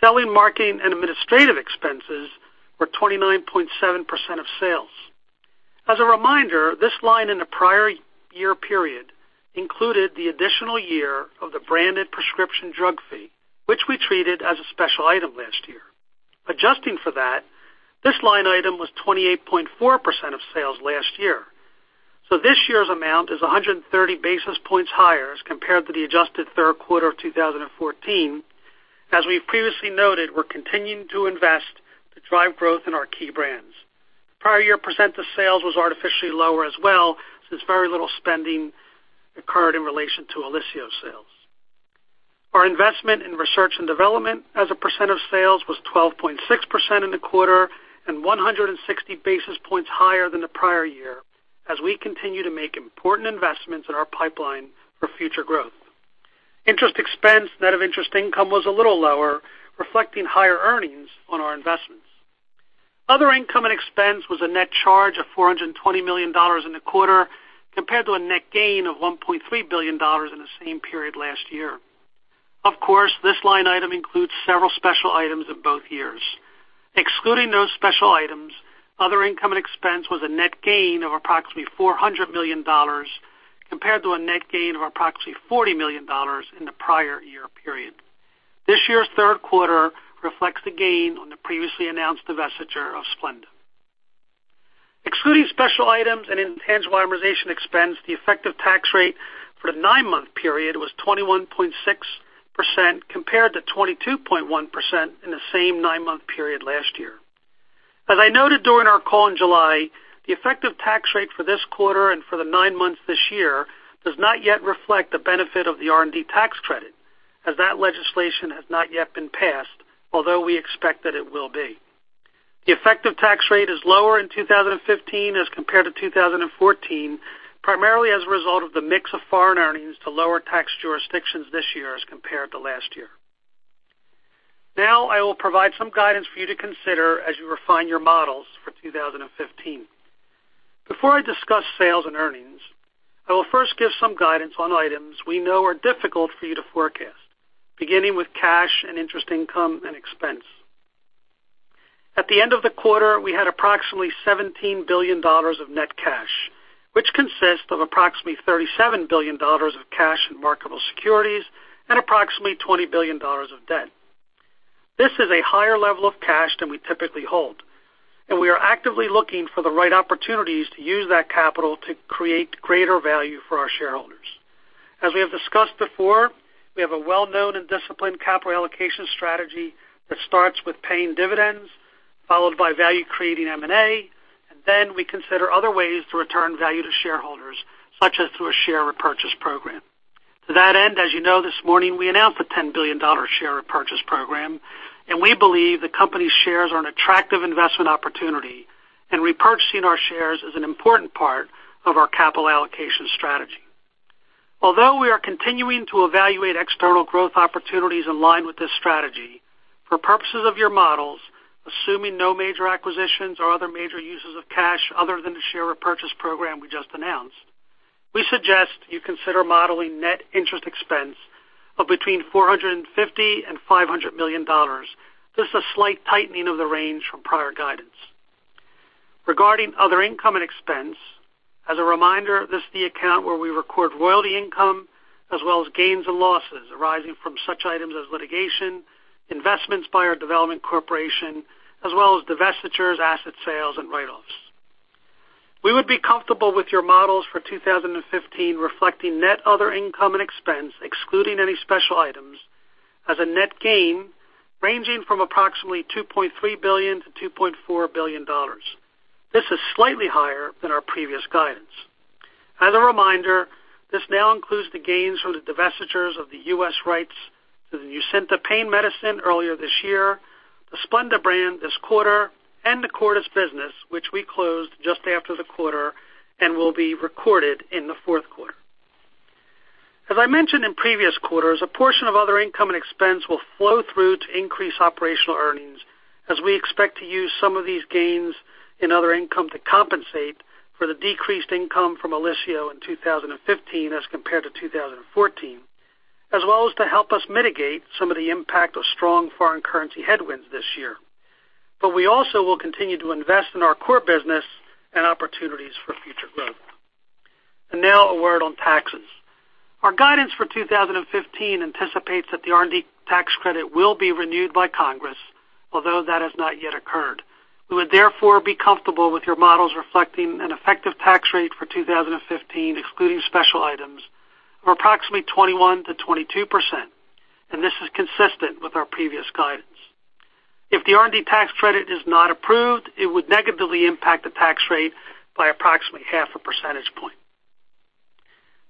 [SPEAKER 4] Selling, marketing, and administrative expenses were 29.7% of sales. As a reminder, this line in the prior year period included the additional year of the branded prescription drug fee, which we treated as a special item last year. Adjusting for that, this line item was 28.4% of sales last year. This year's amount is 130 basis points higher as compared to the adjusted third quarter of 2014. As we've previously noted, we're continuing to invest to drive growth in our key brands. Prior year percent of sales was artificially lower as well, since very little spending occurred in relation to OLYSIO sales. Our investment in research and development as a percent of sales was 12.6% in the quarter, and 160 basis points higher than the prior year as we continue to make important investments in our pipeline for future growth. Interest expense, net of interest income, was a little lower, reflecting higher earnings on our investments. Other income and expense was a net charge of $420 million in the quarter, compared to a net gain of $1.3 billion in the same period last year. Of course, this line item includes several special items in both years. Excluding those special items, other income and expense was a net gain of approximately $400 million compared to a net gain of approximately $40 million in the prior year period. This year's third quarter reflects the gain on the previously announced divestiture of Splenda. Excluding special items and intangible amortization expense, the effective tax rate for the nine-month period was 21.6%, compared to 22.1% in the same nine-month period last year. As I noted during our call in July, the effective tax rate for this quarter and for the nine months this year does not yet reflect the benefit of the R&D tax credit, as that legislation has not yet been passed, although we expect that it will be. The effective tax rate is lower in 2015 as compared to 2014, primarily as a result of the mix of foreign earnings to lower tax jurisdictions this year as compared to last year. Now I will provide some guidance for you to consider as you refine your models for 2015. Before I discuss sales and earnings, I will first give some guidance on items we know are difficult for you to forecast, beginning with cash and interest income and expense. At the end of the quarter, we had approximately $17 billion of net cash, which consists of approximately $37 billion of cash and marketable securities and approximately $20 billion of debt. This is a higher level of cash than we typically hold. We are actively looking for the right opportunities to use that capital to create greater value for our shareholders. As we have discussed before, we have a well-known and disciplined capital allocation strategy that starts with paying dividends, followed by value-creating M&A. Then we consider other ways to return value to shareholders, such as through a share repurchase program. To that end, as you know, this morning, we announced a $10 billion share repurchase program. We believe the company's shares are an attractive investment opportunity. Repurchasing our shares is an important part of our capital allocation strategy. Although we are continuing to evaluate external growth opportunities in line with this strategy, for purposes of your models, assuming no major acquisitions or other major uses of cash other than the share repurchase program we just announced, we suggest you consider modeling net interest expense of between $450 million and $500 million. This is a slight tightening of the range from prior guidance. Regarding other income and expense, as a reminder, this is the account where we record royalty income as well as gains and losses arising from such items as litigation, investments by our development corporation, as well as divestitures, asset sales, and write-offs. We would be comfortable with your models for 2015 reflecting net other income and expense, excluding any special items, as a net gain ranging from approximately $2.3 billion-$2.4 billion. This is slightly higher than our previous guidance. As a reminder, this now includes the gains from the divestitures of the U.S. rights to the NUCYNTA pain medicine earlier this year, the SPLENDA brand this quarter, and the Cordis business, which we closed just after the quarter and will be recorded in the fourth quarter. As I mentioned in previous quarters, a portion of other income and expense will flow through to increase operational earnings, as we expect to use some of these gains in other income to compensate for the decreased income from OLYSIO in 2015 as compared to 2014, as well as to help us mitigate some of the impact of strong foreign currency headwinds this year. We also will continue to invest in our core business and opportunities for future growth. Now a word on taxes. Our guidance for 2015 anticipates that the R&D tax credit will be renewed by Congress, although that has not yet occurred. We would therefore be comfortable with your models reflecting an effective tax rate for 2015, excluding special items, of approximately 21%-22%. This is consistent with our previous guidance. If the R&D tax credit is not approved, it would negatively impact the tax rate by approximately half a percentage point.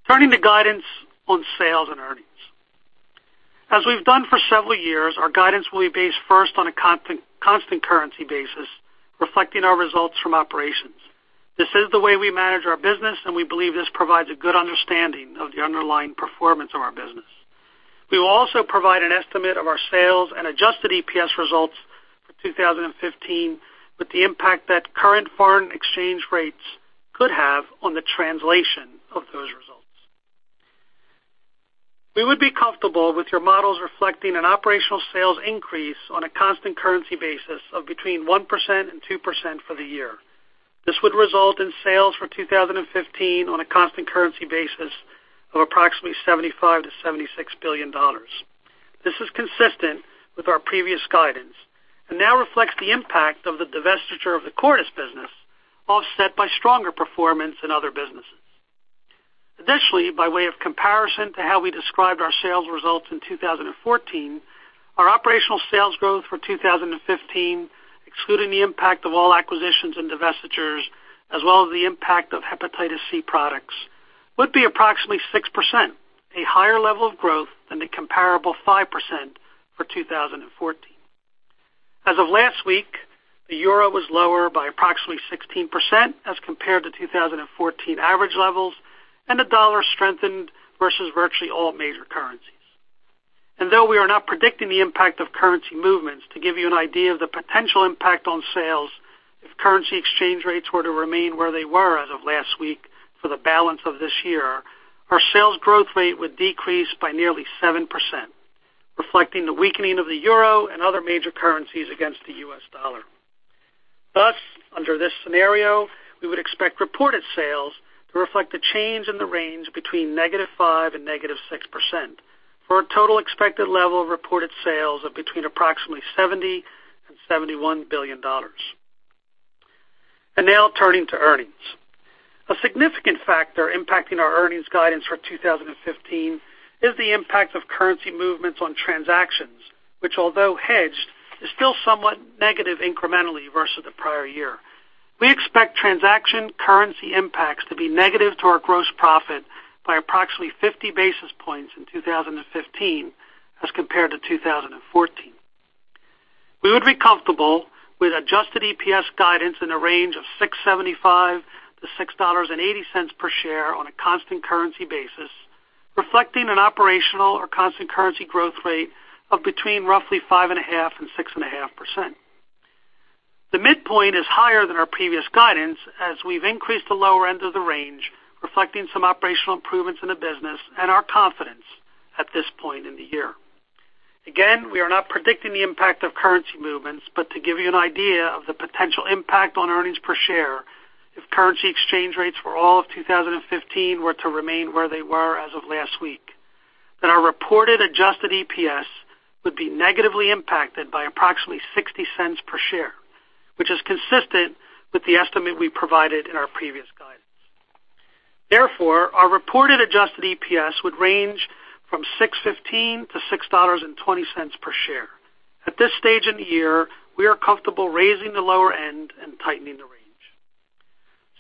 [SPEAKER 4] Turning to guidance on sales and earnings. As we've done for several years, our guidance will be based first on a constant currency basis, reflecting our results from operations. This is the way we manage our business. We believe this provides a good understanding of the underlying performance of our business. We will also provide an estimate of our sales and adjusted EPS results for 2015 with the impact that current foreign exchange rates could have on the translation of those results. We would be comfortable with your models reflecting an operational sales increase on a constant currency basis of between 1% and 2% for the year. This would result in sales for 2015 on a constant currency basis of approximately $75 billion-$76 billion. This is consistent with our previous guidance and now reflects the impact of the divestiture of the Cordis business, offset by stronger performance in other businesses. Additionally, by way of comparison to how we described our sales results in 2014, our operational sales growth for 2015, excluding the impact of all acquisitions and divestitures, as well as the impact of hepatitis C products, would be approximately 6%, a higher level of growth than the comparable 5% for 2014. As of last week, the euro was lower by approximately 16% as compared to 2014 average levels, and the dollar strengthened versus virtually all major currencies. Though we are not predicting the impact of currency movements, to give you an idea of the potential impact on sales if currency exchange rates were to remain where they were as of last week for the balance of this year, our sales growth rate would decrease by nearly 7%, reflecting the weakening of the euro and other major currencies against the U.S. dollar. Thus, under this scenario, we would expect reported sales to reflect a change in the range between -5% and -6%, for a total expected level of reported sales of between approximately $70 billion-$71 billion. Now turning to earnings. A significant factor impacting our earnings guidance for 2015 is the impact of currency movements on transactions, which although hedged, is still somewhat negative incrementally versus the prior year. We expect transaction currency impacts to be negative to our gross profit by approximately 50 basis points in 2015 as compared to 2014. We would be comfortable with adjusted EPS guidance in a range of $6.75-$6.80 per share on a constant currency basis, reflecting an operational or constant currency growth rate of between roughly 5.5%-6.5%. The midpoint is higher than our previous guidance, as we've increased the lower end of the range, reflecting some operational improvements in the business and our confidence at this point in the year. Again, we are not predicting the impact of currency movements, but to give you an idea of the potential impact on earnings per share, if currency exchange rates for all of 2015 were to remain where they were as of last week, then our reported adjusted EPS would be negatively impacted by approximately $0.60 per share, which is consistent with the estimate we provided in our previous guidance. Therefore, our reported adjusted EPS would range from $6.15-$6.20 per share. At this stage in the year, we are comfortable raising the lower end and tightening the range.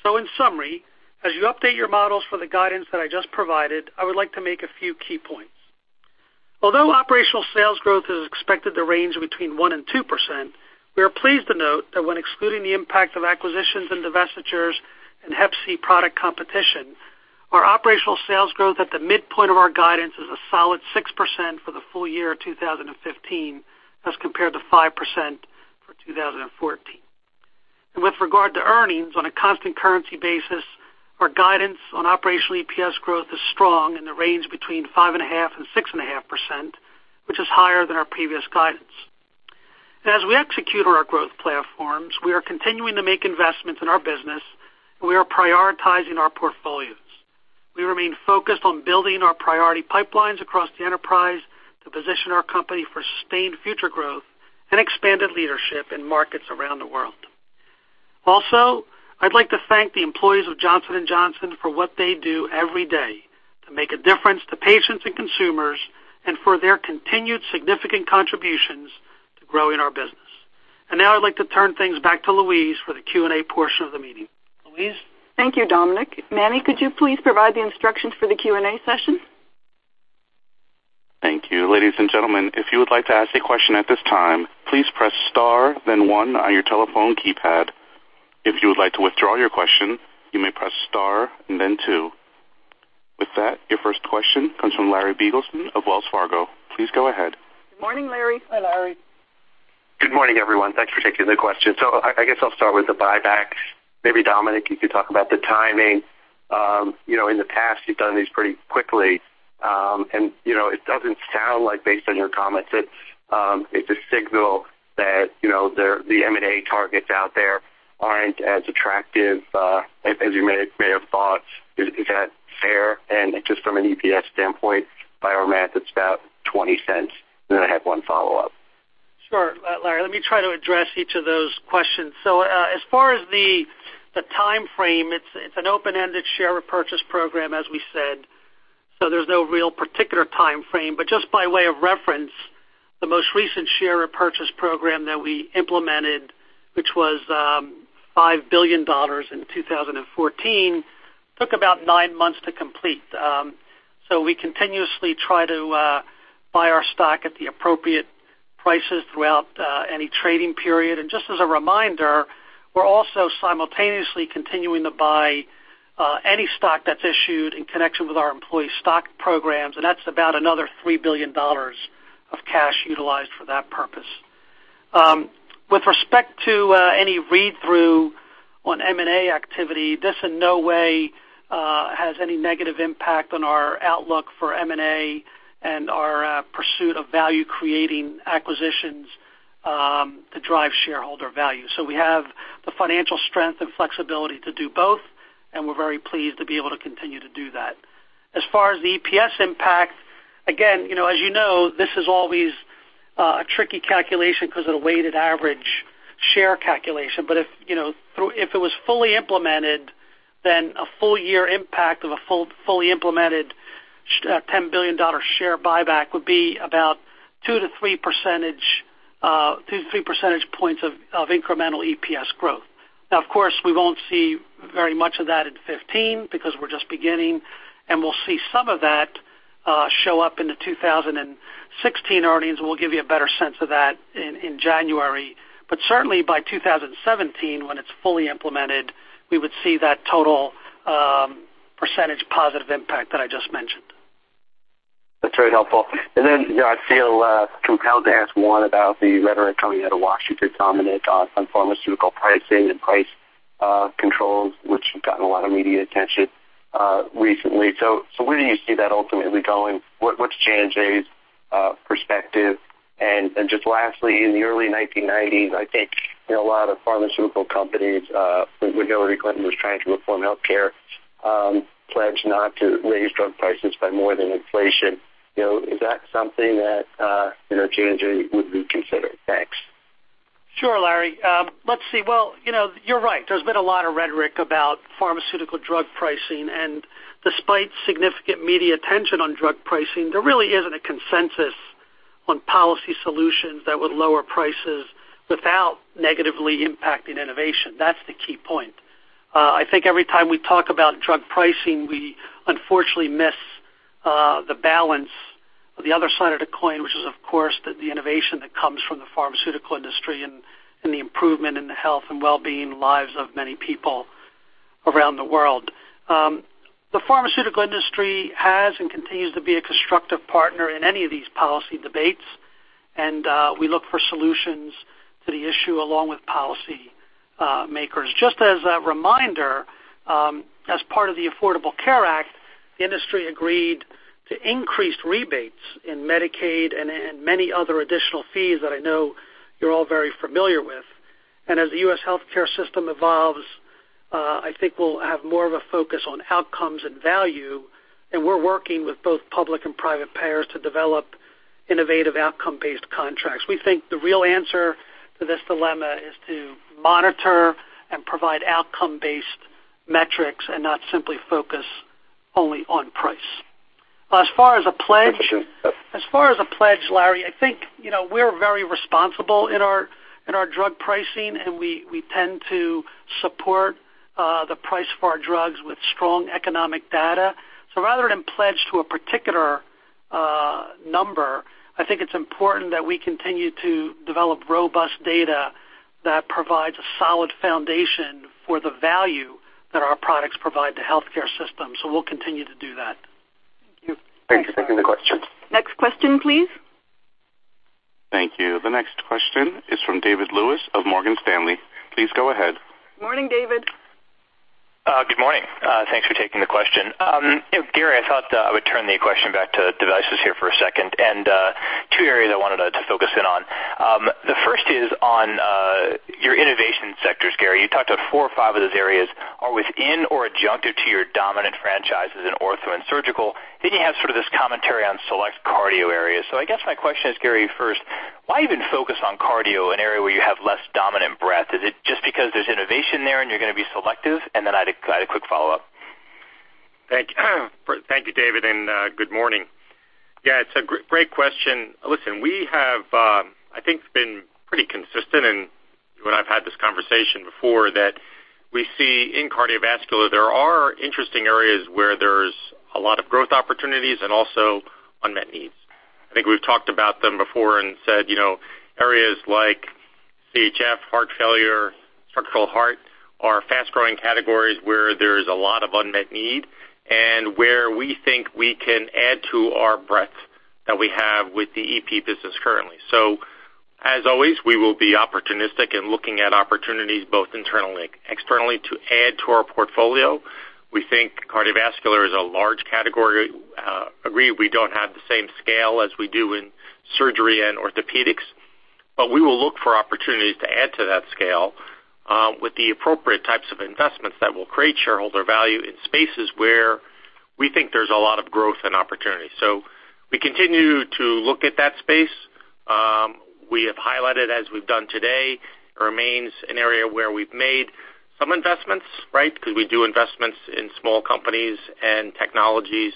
[SPEAKER 4] In summary, as you update your models for the guidance that I just provided, I would like to make a few key points. Although operational sales growth is expected to range between 1% and 2%, we are pleased to note that when excluding the impact of acquisitions and divestitures and Hep C product competition, our operational sales growth at the midpoint of our guidance is a solid 6% for the full year 2015, as compared to 5% for 2014. With regard to earnings on a constant currency basis, our guidance on operational EPS growth is strong in the range between 5.5% and 6.5%, which is higher than our previous guidance. As we execute on our growth platforms, we are continuing to make investments in our business, and we are prioritizing our portfolios. We remain focused on building our priority pipelines across the enterprise to position our company for sustained future growth and expanded leadership in markets around the world. Also, I'd like to thank the employees of Johnson & Johnson for what they do every day to make a difference to patients and consumers, and for their continued significant contributions to growing our business. Now I'd like to turn things back to Louise for the Q&A portion of the meeting. Louise?
[SPEAKER 2] Thank you, Dominic. Manny, could you please provide the instructions for the Q&A session?
[SPEAKER 1] Thank you. Ladies and gentlemen, if you would like to ask a question at this time, please press star then one on your telephone keypad. If you would like to withdraw your question, you may press star and then two. With that, your first question comes from Larry Biegelsen of Wells Fargo. Please go ahead.
[SPEAKER 2] Good morning, Larry.
[SPEAKER 4] Hi, Larry.
[SPEAKER 5] Good morning, everyone. Thanks for taking the question. I guess I'll start with the buyback. Maybe Dominic, you could talk about the timing. In the past you've done these pretty quickly. It doesn't sound like, based on your comments, it's a signal that the M&A targets out there aren't as attractive as you may have thought. Is that fair? Just from an EPS standpoint, by our math, it's about $0.20. Then I have one follow-up.
[SPEAKER 4] Sure. Larry, let me try to address each of those questions. As far as the timeframe, it's an open-ended share repurchase program, as we said. There's no real particular timeframe. Just by way of reference, the most recent share repurchase program that we implemented, which was $5 billion in 2014, took about nine months to complete. We continuously try to buy our stock at the appropriate prices throughout any trading period. Just as a reminder, we're also simultaneously continuing to buy any stock that's issued in connection with our employee stock programs, and that's about another $3 billion of cash utilized for that purpose. With respect to any read-through on M&A activity, this in no way has any negative impact on our outlook for M&A and our pursuit of value-creating acquisitions to drive shareholder value. We have the financial strength and flexibility to do both, and we're very pleased to be able to continue to do that. As far as the EPS impact, again, as you know, this is always a tricky calculation because of the weighted average share calculation. If it was fully implemented, then a full-year impact of a fully implemented $10 billion share buyback would be about two to three percentage points of incremental EPS growth. Now, of course, we won't see very much of that in 2015 because we're just beginning, and we'll see some of that show up in the 2016 earnings, and we'll give you a better sense of that in January. Certainly, by 2017, when it's fully implemented, we would see that total percentage positive impact that I just mentioned.
[SPEAKER 5] That's very helpful. I feel compelled to ask one about the rhetoric coming out of Washington, Dominic, on pharmaceutical pricing and price controls, which have gotten a lot of media attention recently. Where do you see that ultimately going? What's J&J's perspective? Just lastly, in the early 1990s, I think a lot of pharmaceutical companies, when Bill Clinton was trying to reform healthcare, pledged not to raise drug prices by more than inflation. Is that something that J&J would reconsider? Thanks.
[SPEAKER 4] Sure, Larry. Let's see. Well, you're right. There's been a lot of rhetoric about pharmaceutical drug pricing. Despite significant media attention on drug pricing, there really isn't a consensus on policy solutions that would lower prices without negatively impacting innovation. That's the key point. I think every time we talk about drug pricing, we unfortunately miss the balance of the other side of the coin, which is, of course, the innovation that comes from the pharmaceutical industry and the improvement in the health and well-being lives of many people around the world. The pharmaceutical industry has and continues to be a constructive partner in any of these policy debates. We look for solutions to the issue along with policymakers. Just as a reminder, as part of the Affordable Care Act, the industry agreed to increase rebates in Medicaid and many other additional fees that I know you're all very familiar with. As the U.S. healthcare system evolves, I think we'll have more of a focus on outcomes and value. We're working with both public and private payers to develop innovative outcome-based contracts. We think the real answer to this dilemma is to monitor and provide outcome-based metrics and not simply focus only on price. As far as a pledge, Larry, I think we're very responsible in our drug pricing. We tend to support the price for our drugs with strong economic data. Rather than pledge to a particular number, I think it's important that we continue to develop robust data that provides a solid foundation for the value that our products provide to healthcare systems. We'll continue to do that.
[SPEAKER 5] Thank you. Thanks for taking the question.
[SPEAKER 2] Next question, please.
[SPEAKER 1] Thank you. The next question is from David Lewis of Morgan Stanley. Please go ahead.
[SPEAKER 2] Morning, David.
[SPEAKER 6] Good morning. Thanks for taking the question. Gary, I thought I would turn the question back to devices here for a second and two areas I wanted to focus in on. The first is on your innovation sectors, Gary. You talked about four or five of those areas are within or adjunctive to your dominant franchises in ortho and surgical. You have sort of this commentary on select cardio areas. I guess my question is, Gary, first, why even focus on cardio, an area where you have less dominant breadth? Is it just because there's innovation there and you're going to be selective? I had a quick follow-up.
[SPEAKER 3] Thank you, David, and good morning. Yeah, it's a great question. Listen, we have, I think, been pretty consistent, and you and I have had this conversation before, that we see in cardiovascular, there are interesting areas where there's a lot of growth opportunities and also unmet needs. I think we've talked about them before and said areas like CHF, heart failure, structural heart are fast-growing categories where there is a lot of unmet need and where we think we can add to our breadth. That we have with the EP business currently. As always, we will be opportunistic and looking at opportunities both internally and externally to add to our portfolio. We think cardiovascular is a large category. Agree, we don't have the same scale as we do in surgery and orthopedics, but we will look for opportunities to add to that scale, with the appropriate types of investments that will create shareholder value in spaces where we think there's a lot of growth and opportunity. We continue to look at that space. We have highlighted, as we've done today, remains an area where we've made some investments, right? Because we do investments in small companies and technologies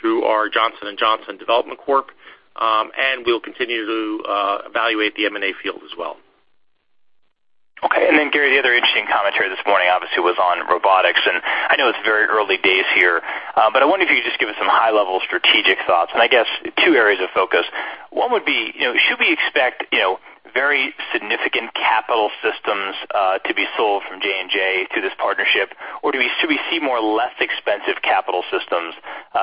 [SPEAKER 3] through our Johnson & Johnson Development Corp. We'll continue to evaluate the M&A field as well.
[SPEAKER 6] Okay. Gary Pruden, the other interesting commentary this morning obviously was on robotics, and I know it's very early days here. I wonder if you could just give us some high-level strategic thoughts and I guess two areas of focus. One would be, should we expect very significant capital systems to be sold from J&J to this partnership? Should we see more less expensive capital systems,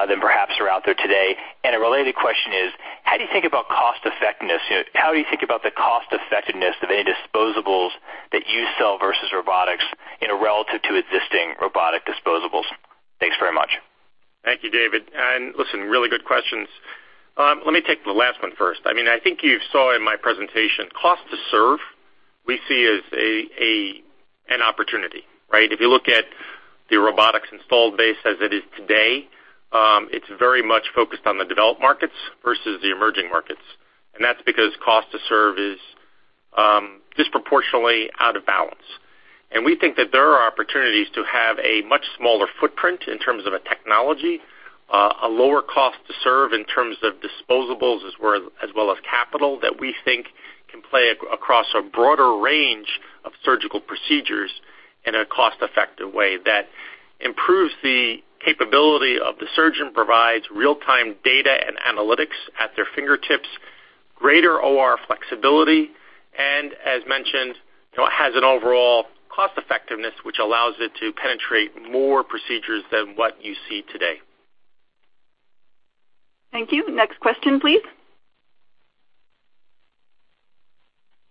[SPEAKER 6] than perhaps are out there today? A related question is, how do you think about cost effectiveness? How do you think about the cost effectiveness of any disposables that you sell versus robotics in a relative to existing robotic disposables? Thanks very much.
[SPEAKER 3] Thank you, David Lewis. Really good questions. Let me take the last one first. I think you saw in my presentation, cost to serve we see as an opportunity, right? If you look at the robotics installed base as it is today, it's very much focused on the developed markets versus the emerging markets, and that's because cost to serve is disproportionately out of balance. We think that there are opportunities to have a much smaller footprint in terms of a technology, a lower cost to serve in terms of disposables, as well as capital that we think can play across a broader range of surgical procedures in a cost-effective way that improves the capability of the surgeon, provides real-time data and analytics at their fingertips, greater OR flexibility, and as mentioned, has an overall cost effectiveness, which allows it to penetrate more procedures than what you see today.
[SPEAKER 2] Thank you. Next question, please.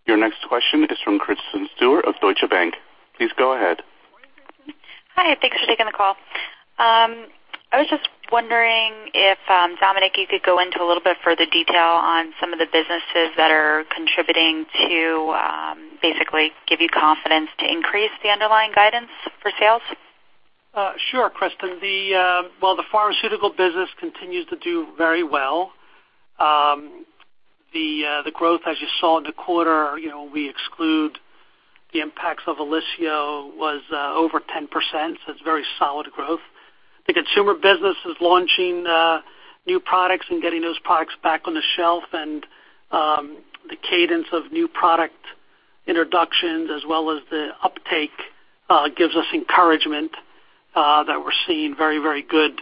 [SPEAKER 1] Your next question is from Kristen Stewart of Deutsche Bank. Please go ahead.
[SPEAKER 7] Hi, thanks for taking the call. I was just wondering if, Dominic, you could go into a little bit further detail on some of the businesses that are contributing to basically give you confidence to increase the underlying guidance for sales.
[SPEAKER 4] Sure, Kristen. The pharmaceutical business continues to do very well. The growth, as you saw in the quarter, we exclude the impacts of OLYSIO was over 10%, so it's very solid growth. The consumer business is launching new products and getting those products back on the shelf and the cadence of new product introductions as well as the uptake, gives us encouragement that we're seeing very good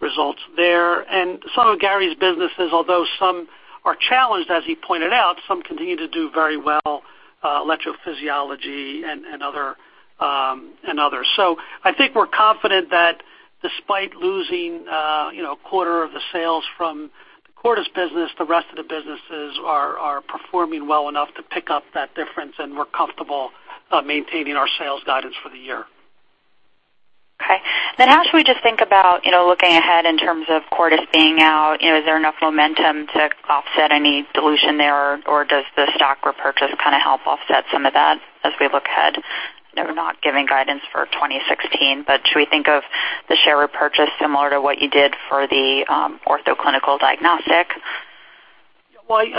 [SPEAKER 4] results there. Some of Gary's businesses, although some are challenged, as he pointed out, some continue to do very well, electrophysiology and others. I think we're confident that despite losing a quarter of the sales from the Cordis business, the rest of the businesses are performing well enough to pick up that difference, and we're comfortable maintaining our sales guidance for the year.
[SPEAKER 7] Okay. How should we just think about looking ahead in terms of Cordis being out? Is there enough momentum to offset any dilution there, or does the stock repurchase kind of help offset some of that as we look ahead? Not giving guidance for 2016, but should we think of the share repurchase similar to what you did for the Ortho Clinical Diagnostics?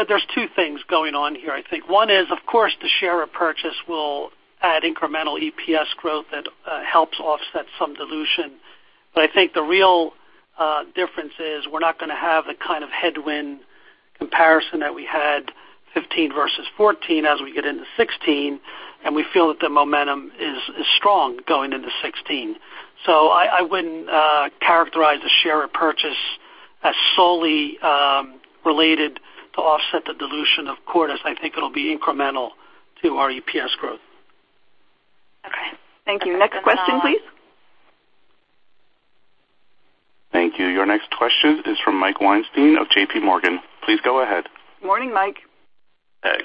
[SPEAKER 4] There's two things going on here, I think. One is, of course, the share repurchase will add incremental EPS growth that helps offset some dilution. I think the real difference is we're not going to have the kind of headwind comparison that we had 2015 versus 2014 as we get into 2016, and we feel that the momentum is strong going into 2016. I wouldn't characterize the share repurchase as solely related to offset the dilution of Cordis. I think it'll be incremental to our EPS growth.
[SPEAKER 7] Okay.
[SPEAKER 2] Thank you. Next question, please.
[SPEAKER 1] Thank you. Your next question is from Mike Weinstein of JPMorgan. Please go ahead.
[SPEAKER 2] Morning, Mike.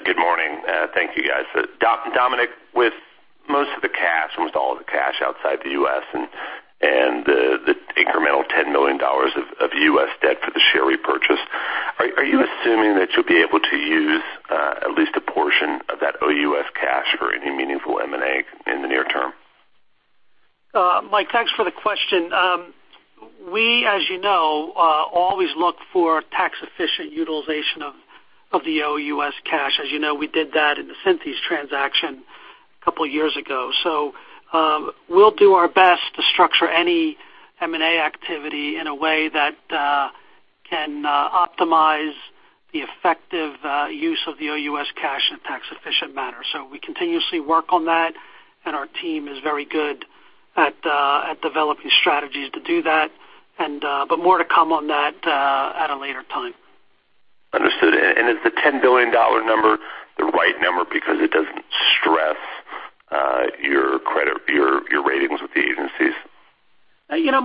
[SPEAKER 8] Good morning. Thank you, guys. Dominic, with most of the cash, almost all of the cash outside the U.S. and the incremental $10 million of U.S. debt for the share repurchase, are you assuming that you'll be able to use at least a portion of that OUS cash for any meaningful M&A in the near term?
[SPEAKER 4] Mike, thanks for the question. We, as you know, always look for tax-efficient utilization of the OUS cash. As you know, we did that in the Synthes transaction a couple of years ago. We'll do our best to structure any M&A activity in a way that can optimize the effective use of the OUS cash in a tax-efficient manner. We continuously work on that, our team is very good at developing strategies to do that, more to come on that at a later time.
[SPEAKER 8] Understood. Is the $10 billion number the right number because it does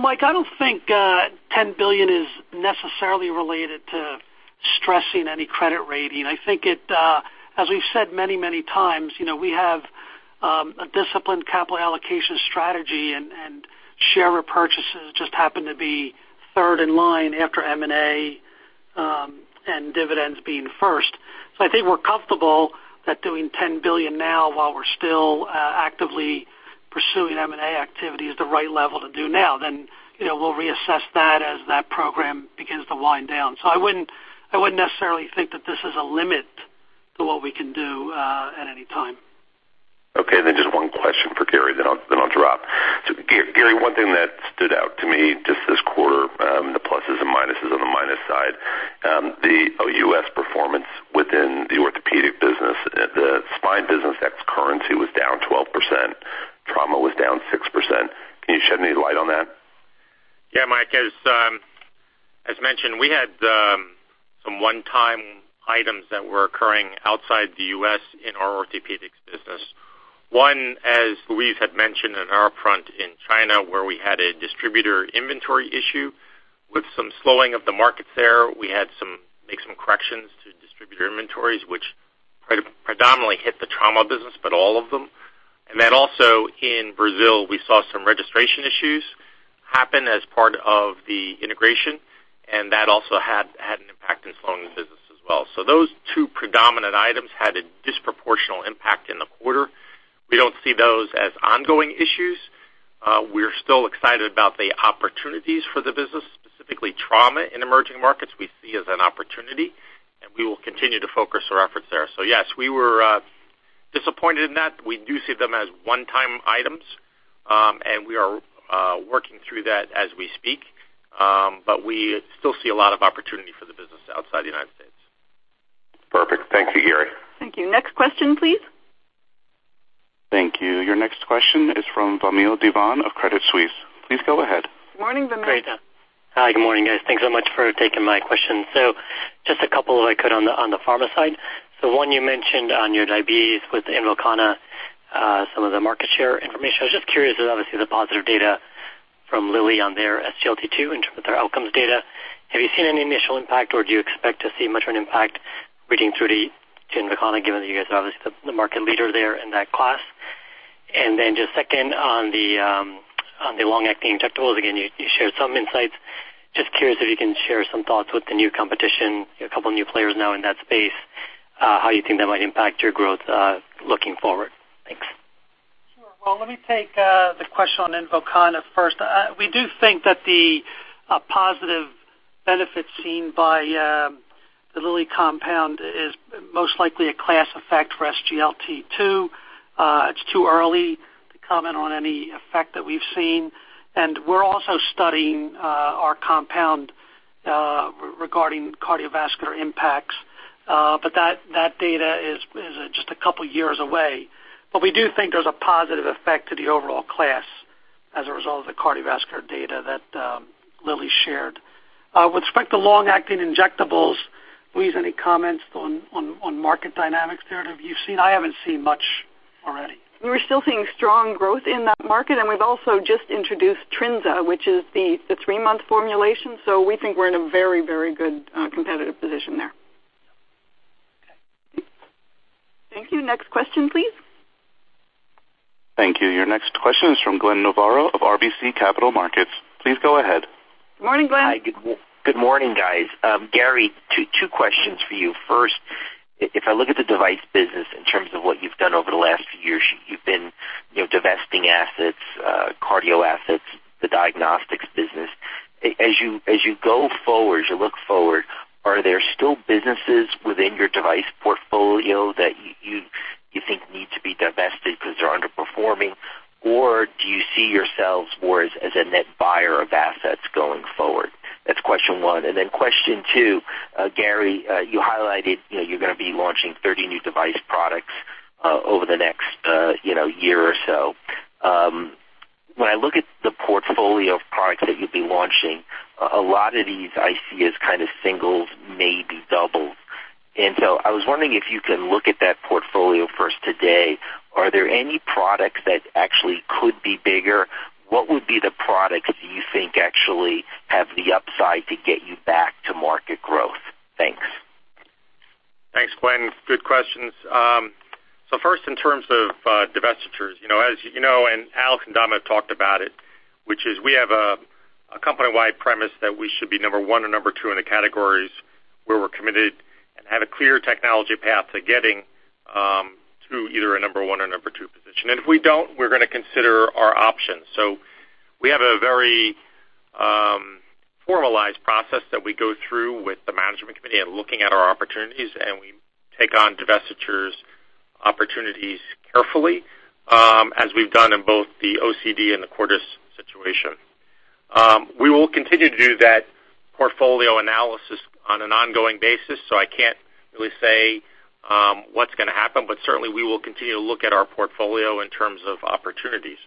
[SPEAKER 4] Mike, I don't think $10 billion is necessarily related to stressing any credit rating. I think, as we've said many times, we have a disciplined capital allocation strategy, share repurchases just happen to be third in line after M&A, dividends being first. I think we're comfortable that doing $10 billion now while we're still actively pursuing M&A activity is the right level to do now. We'll reassess that as that program begins to wind down. I wouldn't necessarily think that this is a limit to what we can do at any time.
[SPEAKER 8] Just one question for Gary, then I'll drop. Gary, one thing that stood out to me just this quarter, the pluses and minuses. On the minus side, the U.S. performance within the orthopaedics business, the spine business ex currency was down 12%, trauma was down 6%. Can you shed any light on that?
[SPEAKER 3] Yeah, Mike, as mentioned, we had some one-time items that were occurring outside the U.S. in our orthopaedics business. One, as Louise had mentioned in our front in China, where we had a distributor inventory issue with some slowing of the markets there. We had to make some corrections to distributor inventories, which predominantly hit the trauma business, but all of them. Also in Brazil, we saw some registration issues happen as part of the integration, and that also had an impact in slowing the business as well. Those two predominant items had a disproportional impact in the quarter. We don't see those as ongoing issues. We're still excited about the opportunities for the business, specifically trauma in emerging markets we see as an opportunity, and we will continue to focus our efforts there. Yes, we were disappointed in that. We do see them as one-time items, and we are working through that as we speak. We still see a lot of opportunity for the business outside the United States.
[SPEAKER 8] Perfect. Thank you, Gary.
[SPEAKER 2] Thank you. Next question, please.
[SPEAKER 1] Thank you. Your next question is from Vamil Divan of Credit Suisse. Please go ahead.
[SPEAKER 2] Morning, Vamil.
[SPEAKER 9] Great. Hi. Good morning, guys. Thanks so much for taking my question. Just a couple, if I could, on the pharma side. One you mentioned on your diabetes with INVOKANA, some of the market share information. I was just curious, obviously the positive data from Lilly on their SGLT2 in terms of their outcomes data. Have you seen any initial impact, or do you expect to see much of an impact reading through the INVOKANA, given that you guys are obviously the market leader there in that class? Just second on the long-acting injectables. Again, you shared some insights. Just curious if you can share some thoughts with the new competition, a couple of new players now in that space, how you think that might impact your growth looking forward. Thanks.
[SPEAKER 4] Sure. Well, let me take the question on INVOKANA first. We do think that the positive benefits seen by the Lilly compound is most likely a class effect for SGLT2. It's too early to comment on any effect that we've seen. We're also studying our compound regarding cardiovascular impacts. That data is just a couple of years away. We do think there's a positive effect to the overall class as a result of the cardiovascular data that Lilly shared. With respect to long-acting injectables, Louise, any comments on market dynamics there? I haven't seen much already.
[SPEAKER 2] We're still seeing strong growth in that market, and we've also just introduced TRINZA, which is the three-month formulation. We think we're in a very good competitive position there.
[SPEAKER 9] Okay.
[SPEAKER 2] Thank you. Next question, please.
[SPEAKER 1] Thank you. Your next question is from Glenn Novarro of RBC Capital Markets. Please go ahead.
[SPEAKER 2] Morning, Glenn.
[SPEAKER 10] Hi. Good morning, guys. Gary, two questions for you. First, if I look at the device business in terms of what you've done over the last few years, you've been divesting assets, cardio assets, the diagnostics business. As you go forward, as you look forward, are there still businesses within your device portfolio that you think need to be divested because they're underperforming? Or do you see yourselves more as a net buyer of assets going forward? That's question one. Then question two, Gary, you highlighted you're going to be launching 30 new device products over the next year or so. When I look at the portfolio of products that you'll be launching, a lot of these I see as kind of singles, maybe doubles. So I was wondering if you can look at that portfolio first today. Are there any products that actually could be bigger? What would be the products that you think actually have the upside to get you back to market growth? Thanks.
[SPEAKER 3] Thanks, Glenn. Good questions. First in terms of divestitures. As you know, Alex and Dom have talked about it, which is we have a company-wide premise that we should be number 1 or number 2 in the categories where we're committed and have a clear technology path to getting to either a number 1 or number 2 position. If we don't, we're going to consider our options. We have a very formalized process that we go through with the management committee and looking at our opportunities, and we take on divestitures opportunities carefully, as we've done in both the OCD and the Cordis situation. We will continue to do that portfolio analysis on an ongoing basis, I can't really say what's going to happen, certainly, we will continue to look at our portfolio in terms of opportunities.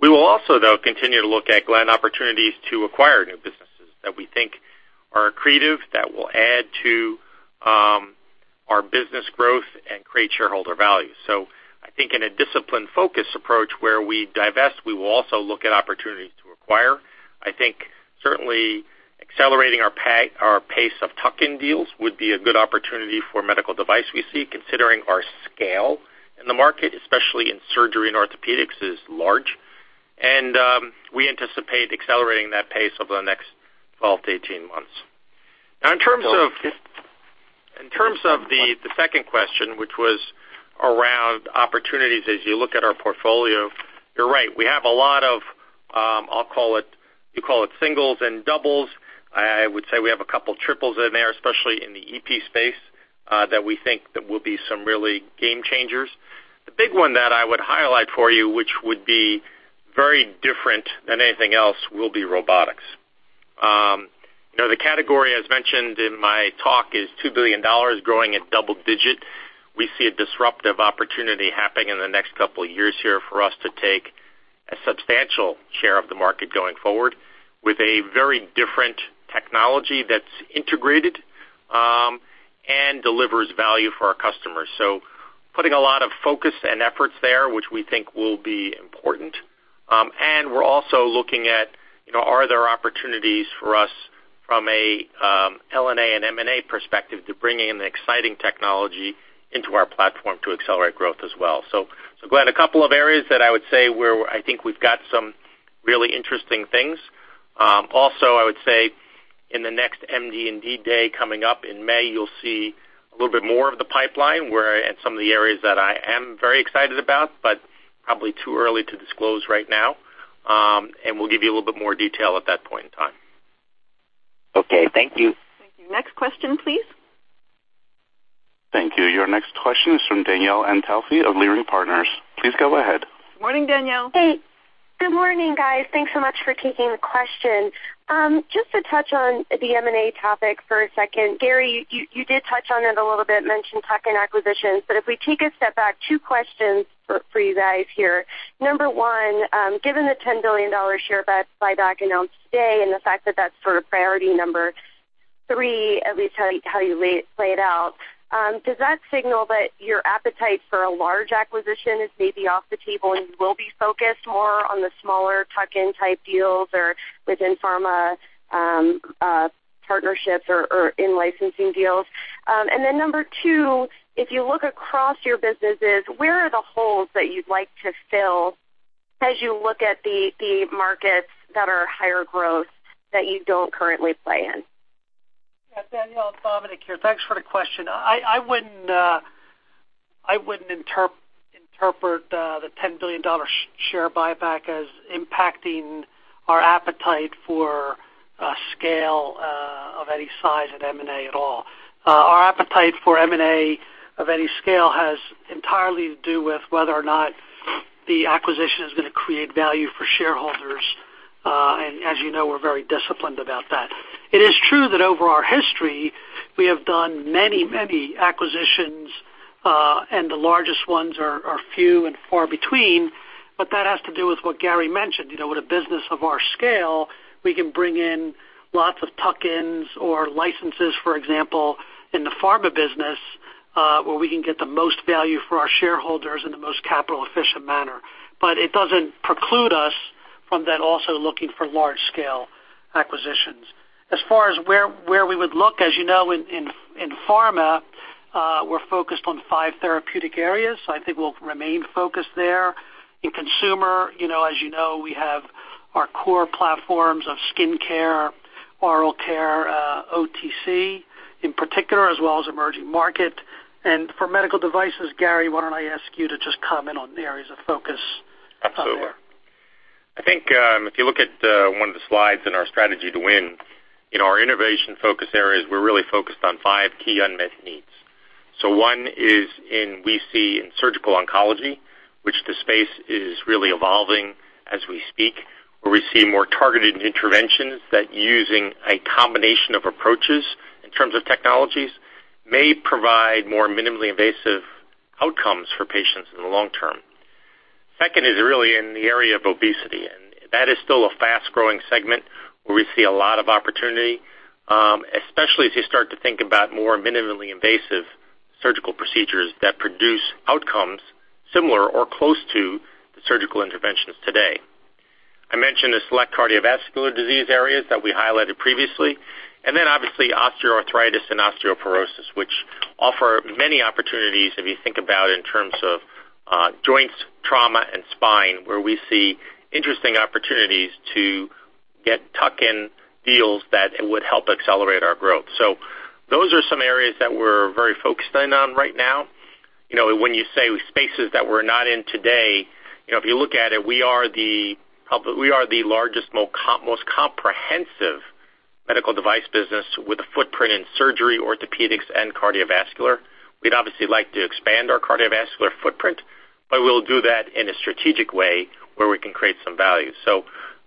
[SPEAKER 3] We will also, though, continue to look at, Glenn, opportunities to acquire new businesses that we think are accretive, that will add to our business growth and create shareholder value. I think in a disciplined focus approach where we divest, we will also look at opportunities to acquire. I think certainly accelerating our pace of tuck-in deals would be a good opportunity for medical device we see, considering our scale in the market, especially in surgery and orthopedics, is large. We anticipate accelerating that pace over the next 12-18 months. In terms of the second question, which was around opportunities as you look at our portfolio, you're right, we have a lot of, you call it singles and doubles. I would say we have a couple triples in there, especially in the EP space, that we think that will be some really game changers. The big one that I would highlight for you, which would be very different than anything else, will be robotics. The category, as mentioned in my talk, is $2 billion, growing at double-digit. We see a disruptive opportunity happening in the next couple of years here for us to take a substantial share of the market going forward with a very different technology that's integrated and delivers value for our customers. Putting a lot of focus and efforts there, which we think will be important. We're also looking at, are there opportunities for us from a L&A and M&A perspective to bring in exciting technology into our platform to accelerate growth as well. Glenn, a couple of areas that I would say where I think we've got some really interesting things. I would say in the next MD&D Day coming up in May, you'll see a little bit more of the pipeline where, and some of the areas that I am very excited about, but probably too early to disclose right now. We'll give you a little bit more detail at that point in time.
[SPEAKER 10] Okay, thank you.
[SPEAKER 2] Thank you. Next question, please.
[SPEAKER 1] Thank you. Your next question is from Danielle Antalffy of Leerink Partners. Please go ahead.
[SPEAKER 2] Morning, Danielle.
[SPEAKER 11] Hey. Good morning, guys. Thanks so much for taking the question. Just to touch on the M&A topic for a second. Gary, you did touch on it a little bit, mentioned tuck-in acquisitions, but if we take a step back, two questions for you guys here. Number 1, given the $10 billion share buyback announced today and the fact that's priority number 3, at least how you lay it out, does that signal that your appetite for a large acquisition is maybe off the table and will be focused more on the smaller tuck-in type deals or within pharma partnerships or in licensing deals? Number 2, if you look across your businesses, where are the holes that you'd like to fill as you look at the markets that are higher growth that you don't currently play in?
[SPEAKER 4] Yeah, Danielle, it's Dominic here. Thanks for the question. I wouldn't interpret the $10 billion share buyback as impacting our appetite for scale of any size at M&A at all. Our appetite for M&A of any scale has entirely to do with whether or not the acquisition is going to create value for shareholders. As you know, we're very disciplined about that. It is true that over our history, we have done many acquisitions, and the largest ones are few and far between, but that has to do with what Gary mentioned. With a business of our scale, we can bring in lots of tuck-ins or licenses, for example, in the pharma business, where we can get the most value for our shareholders in the most capital-efficient manner. It doesn't preclude us from then also looking for large-scale acquisitions. As far as where we would look, as you know, in pharma, we're focused on five therapeutic areas. I think we'll remain focused there. In consumer, as you know, we have our core platforms of skin care, oral care, OTC in particular, as well as emerging market. For medical devices, Gary, why don't I ask you to just comment on the areas of focus out there. Absolutely. I think if you look at one of the slides in our Strategy to Win, our innovation focus areas, we're really focused on five key unmet needs. One is in, we see in surgical oncology, which the space is really evolving as we speak, where we see more targeted interventions that using a combination of approaches in terms of technologies may provide more minimally invasive outcomes for patients in the long term.
[SPEAKER 3] Second is really in the area of obesity, that is still a fast-growing segment where we see a lot of opportunity, especially as you start to think about more minimally invasive surgical procedures that produce outcomes similar or close to the surgical interventions today. I mentioned the select cardiovascular disease areas that we highlighted previously, obviously osteoarthritis and osteoporosis, which offer many opportunities if you think about in terms of joints, trauma, and spine, where we see interesting opportunities to get tuck-in deals that would help accelerate our growth. Those are some areas that we're very focused in on right now. When you say spaces that we're not in today, if you look at it, we are the largest, most comprehensive medical device business with a footprint in surgery, orthopedics, and cardiovascular. We'd obviously like to expand our cardiovascular footprint, we'll do that in a strategic way where we can create some value.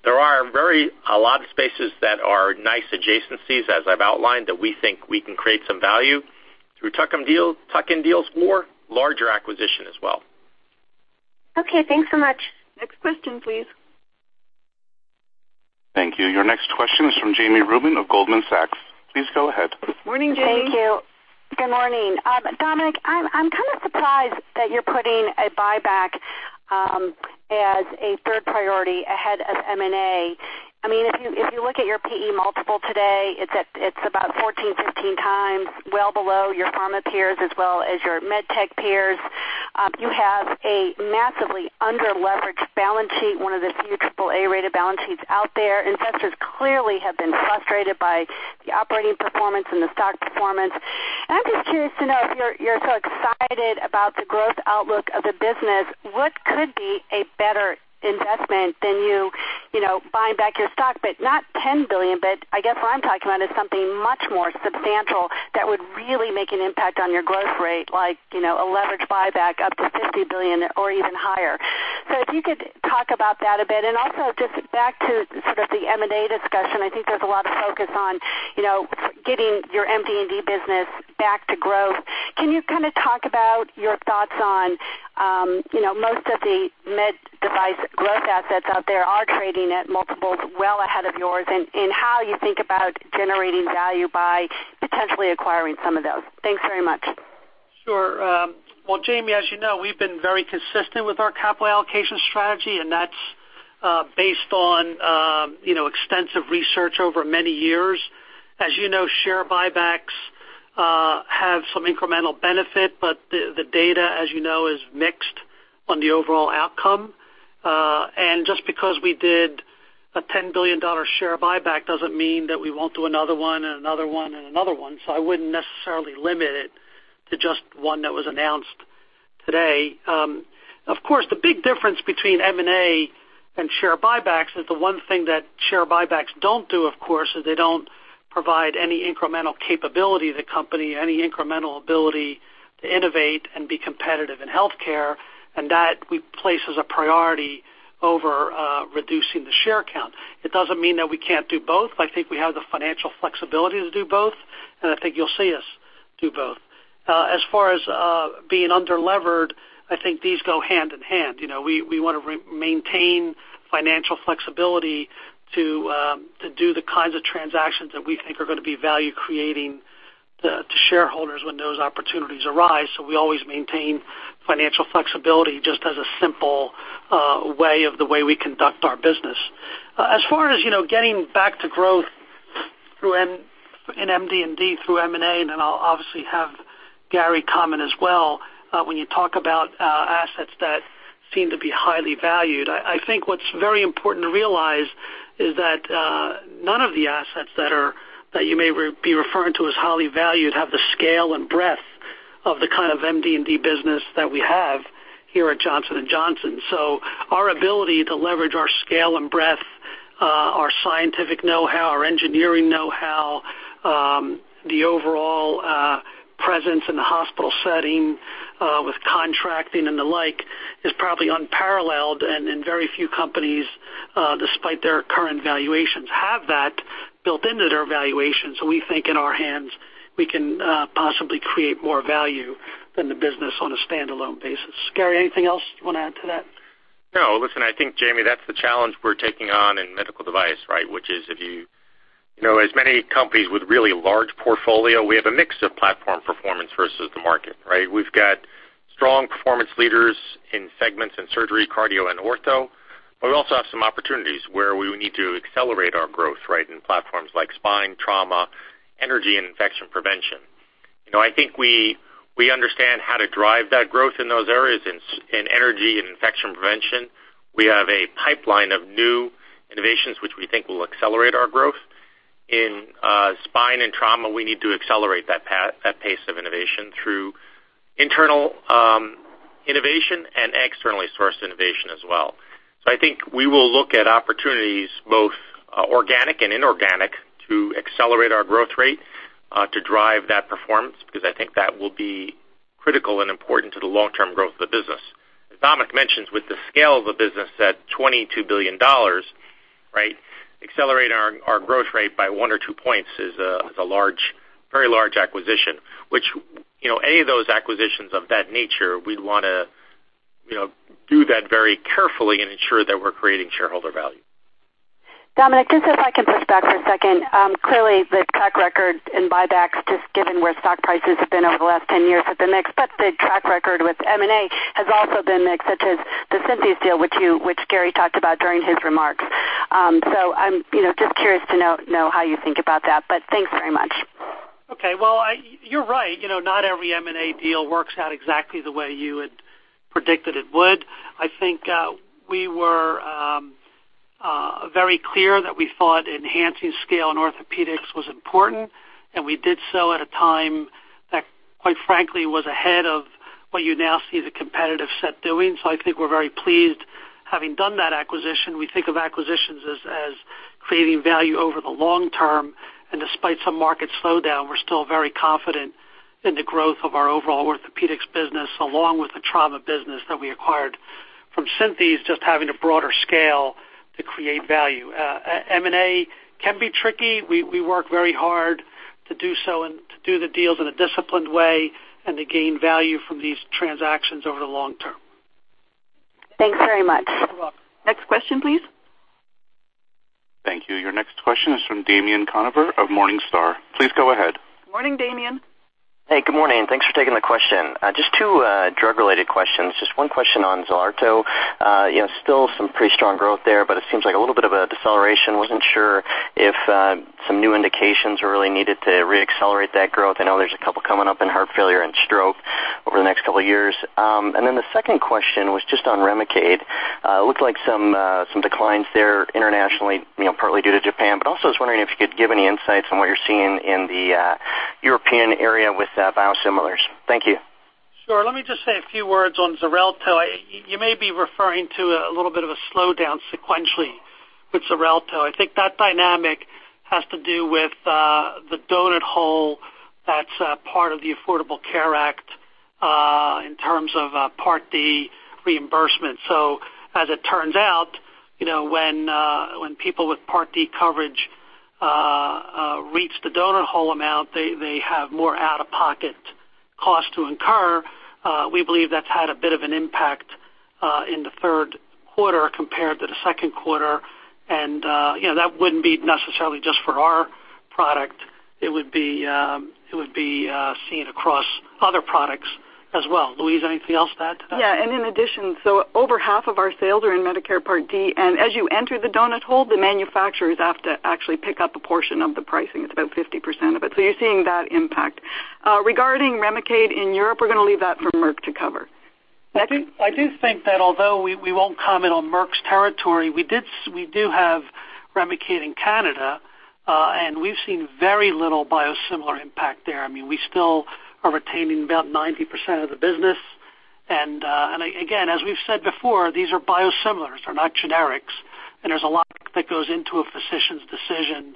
[SPEAKER 3] There are a lot of spaces that are nice adjacencies, as I've outlined, that we think we can create some value through tuck-in deals or larger acquisition as well.
[SPEAKER 11] Okay, thanks so much.
[SPEAKER 2] Next question, please.
[SPEAKER 1] Thank you. Your next question is from Jami Rubin of Goldman Sachs. Please go ahead.
[SPEAKER 4] Morning, Jami.
[SPEAKER 12] Thank you. Good morning. Dominic, I'm kind of surprised that you're putting a buyback as a third priority ahead of M&A. If you look at your PE multiple today, it's about 14-15 times, well below your pharma peers as well as your MD&D peers. You have a massively under-leveraged balance sheet, one of the few triple A-rated balance sheets out there. Investors clearly have been frustrated by the operating performance and the stock performance. I'm just curious to know, if you're so excited about the growth outlook of the business, what could be a better investment than you buying back your stock, but not $10 billion? I guess what I'm talking about is something much more substantial that would really make an impact on your growth rate, like a leveraged buyback up to $50 billion or even higher. If you could talk about that a bit. Also just back to sort of the M&A discussion, I think there's a lot of focus on getting your MD&D business back to growth. Can you kind of talk about your thoughts on most of the med device growth assets out there are trading at multiples well ahead of yours, and how you think about generating value by potentially acquiring some of those? Thanks very much.
[SPEAKER 4] Sure. Well, Jami, as you know, we've been very consistent with our capital allocation strategy, and that's based on extensive research over many years. As you know, share buybacks have some incremental benefit, but the data, as you know, is mixed on the overall outcome. Just because we did a $10 billion share buyback doesn't mean that we won't do another one and another one and another one. I wouldn't necessarily limit it to just one that was announced today. Of course, the big difference between M&A and share buybacks is the one thing that share buybacks don't do, of course, is they don't provide any incremental capability to the company, any incremental ability to innovate and be competitive in healthcare, and that we place as a priority over reducing the share count. It doesn't mean that we can't do both. I think we have the financial flexibility to do both. I think you'll see us do both. As far as being under-levered, I think these go hand in hand. We want to maintain financial flexibility to do the kinds of transactions that we think are going to be value creating to shareholders when those opportunities arise. We always maintain financial flexibility just as a simple way of the way we conduct our business. As far as getting back to growth in MD&D through M&A, then I'll obviously have Gary comment as well, when you talk about assets that seem to be highly valued, I think what's very important to realize is that none of the assets that you may be referring to as highly valued have the scale and breadth of the kind of MD&D business that we have here at Johnson & Johnson. Our ability to leverage our scale and breadth, our scientific know-how, our engineering know-how, the overall presence in the hospital setting with contracting and the like, is probably unparalleled. Very few companies, despite their current valuations, have that built into their valuation. We think in our hands, we can possibly create more value than the business on a standalone basis. Gary, anything else you want to add to that?
[SPEAKER 3] No, listen, I think, Jami, that's the challenge we're taking on in medical device, which is as many companies with really large portfolio, we have a mix of platform performance versus the market, right? We've got strong performance leaders in segments in surgery, cardio, and ortho. We also have some opportunities where we need to accelerate our growth in platforms like spine, trauma, energy, and infection prevention. I think we understand how to drive that growth in those areas. In energy and infection prevention, we have a pipeline of new innovations which we think will accelerate our growth. In spine and trauma, we need to accelerate that pace of innovation through internal innovation and externally sourced innovation as well. I think we will look at opportunities both organic and inorganic to accelerate our growth rate to drive that performance, because I think that will be critical and important to the long-term growth of the business. As Dominic mentions, with the scale of the business at $22 billion, accelerating our growth rate by one or two points is a very large acquisition. Which any of those acquisitions of that nature, we'd want to do that very carefully and ensure that we're creating shareholder value.
[SPEAKER 12] Dominic, just if I can push back for a second. Clearly, the track record in buybacks, just given where stock prices have been over the last 10 years, have been mixed. The track record with M&A has also been mixed, such as the Synthes deal, which Gary talked about during his remarks. I'm just curious to know how you think about that. Thanks very much.
[SPEAKER 4] Okay. Well, you're right. Not every M&A deal works out exactly the way you had predicted it would. I think we were very clear that we thought enhancing scale in orthopedics was important, and we did so at a time that, quite frankly, was ahead of what you now see the competitive set doing. I think we're very pleased having done that acquisition. We think of acquisitions as creating value over the long term. Despite some market slowdown, we're still very confident in the growth of our overall orthopedics business, along with the trauma business that we acquired from Synthes, just having a broader scale to create value. M&A can be tricky. We work very hard to do so and to do the deals in a disciplined way and to gain value from these transactions over the long term.
[SPEAKER 2] Thanks very much.
[SPEAKER 4] You're welcome.
[SPEAKER 2] Next question, please.
[SPEAKER 1] Thank you. Your next question is from Damien Conover of Morningstar. Please go ahead.
[SPEAKER 2] Morning, Damien.
[SPEAKER 13] Hey, good morning. Thanks for taking the question. Just two drug-related questions. Just one question on Xarelto. Still some pretty strong growth there, but it seems like a little bit of a deceleration. Wasn't sure if some new indications were really needed to re-accelerate that growth. I know there's a couple coming up in heart failure and stroke over the next couple of years. The second question was just on REMICADE. Looked like some declines there internationally, partly due to Japan, but also I was wondering if you could give any insights on what you're seeing in the European area with biosimilars. Thank you.
[SPEAKER 4] Sure. Let me just say a few words on Xarelto. You may be referring to a little bit of a slowdown sequentially with Xarelto. I think that dynamic has to do with the donut hole that's part of the Affordable Care Act, in terms of Part D reimbursement. As it turns out, when people with Part D coverage reach the donut hole amount, they have more out-of-pocket costs to incur. We believe that's had a bit of an impact in the third quarter compared to the second quarter, and that wouldn't be necessarily just for our product. It would be seen across other products as well. Louise, anything else to add to that?
[SPEAKER 2] In addition, over half of our sales are in Medicare Part D, and as you enter the donut hole, the manufacturers have to actually pick up a portion of the pricing. It's about 50% of it. You're seeing that impact. Regarding Remicade in Europe, we're going to leave that for Merck to cover.
[SPEAKER 4] I do think that although we won't comment on Merck's territory, we do have Remicade in Canada. We've seen very little biosimilar impact there. We still are retaining about 90% of the business, and again, as we've said before, these are biosimilars. They're not generics, and there's a lot that goes into a physician's decision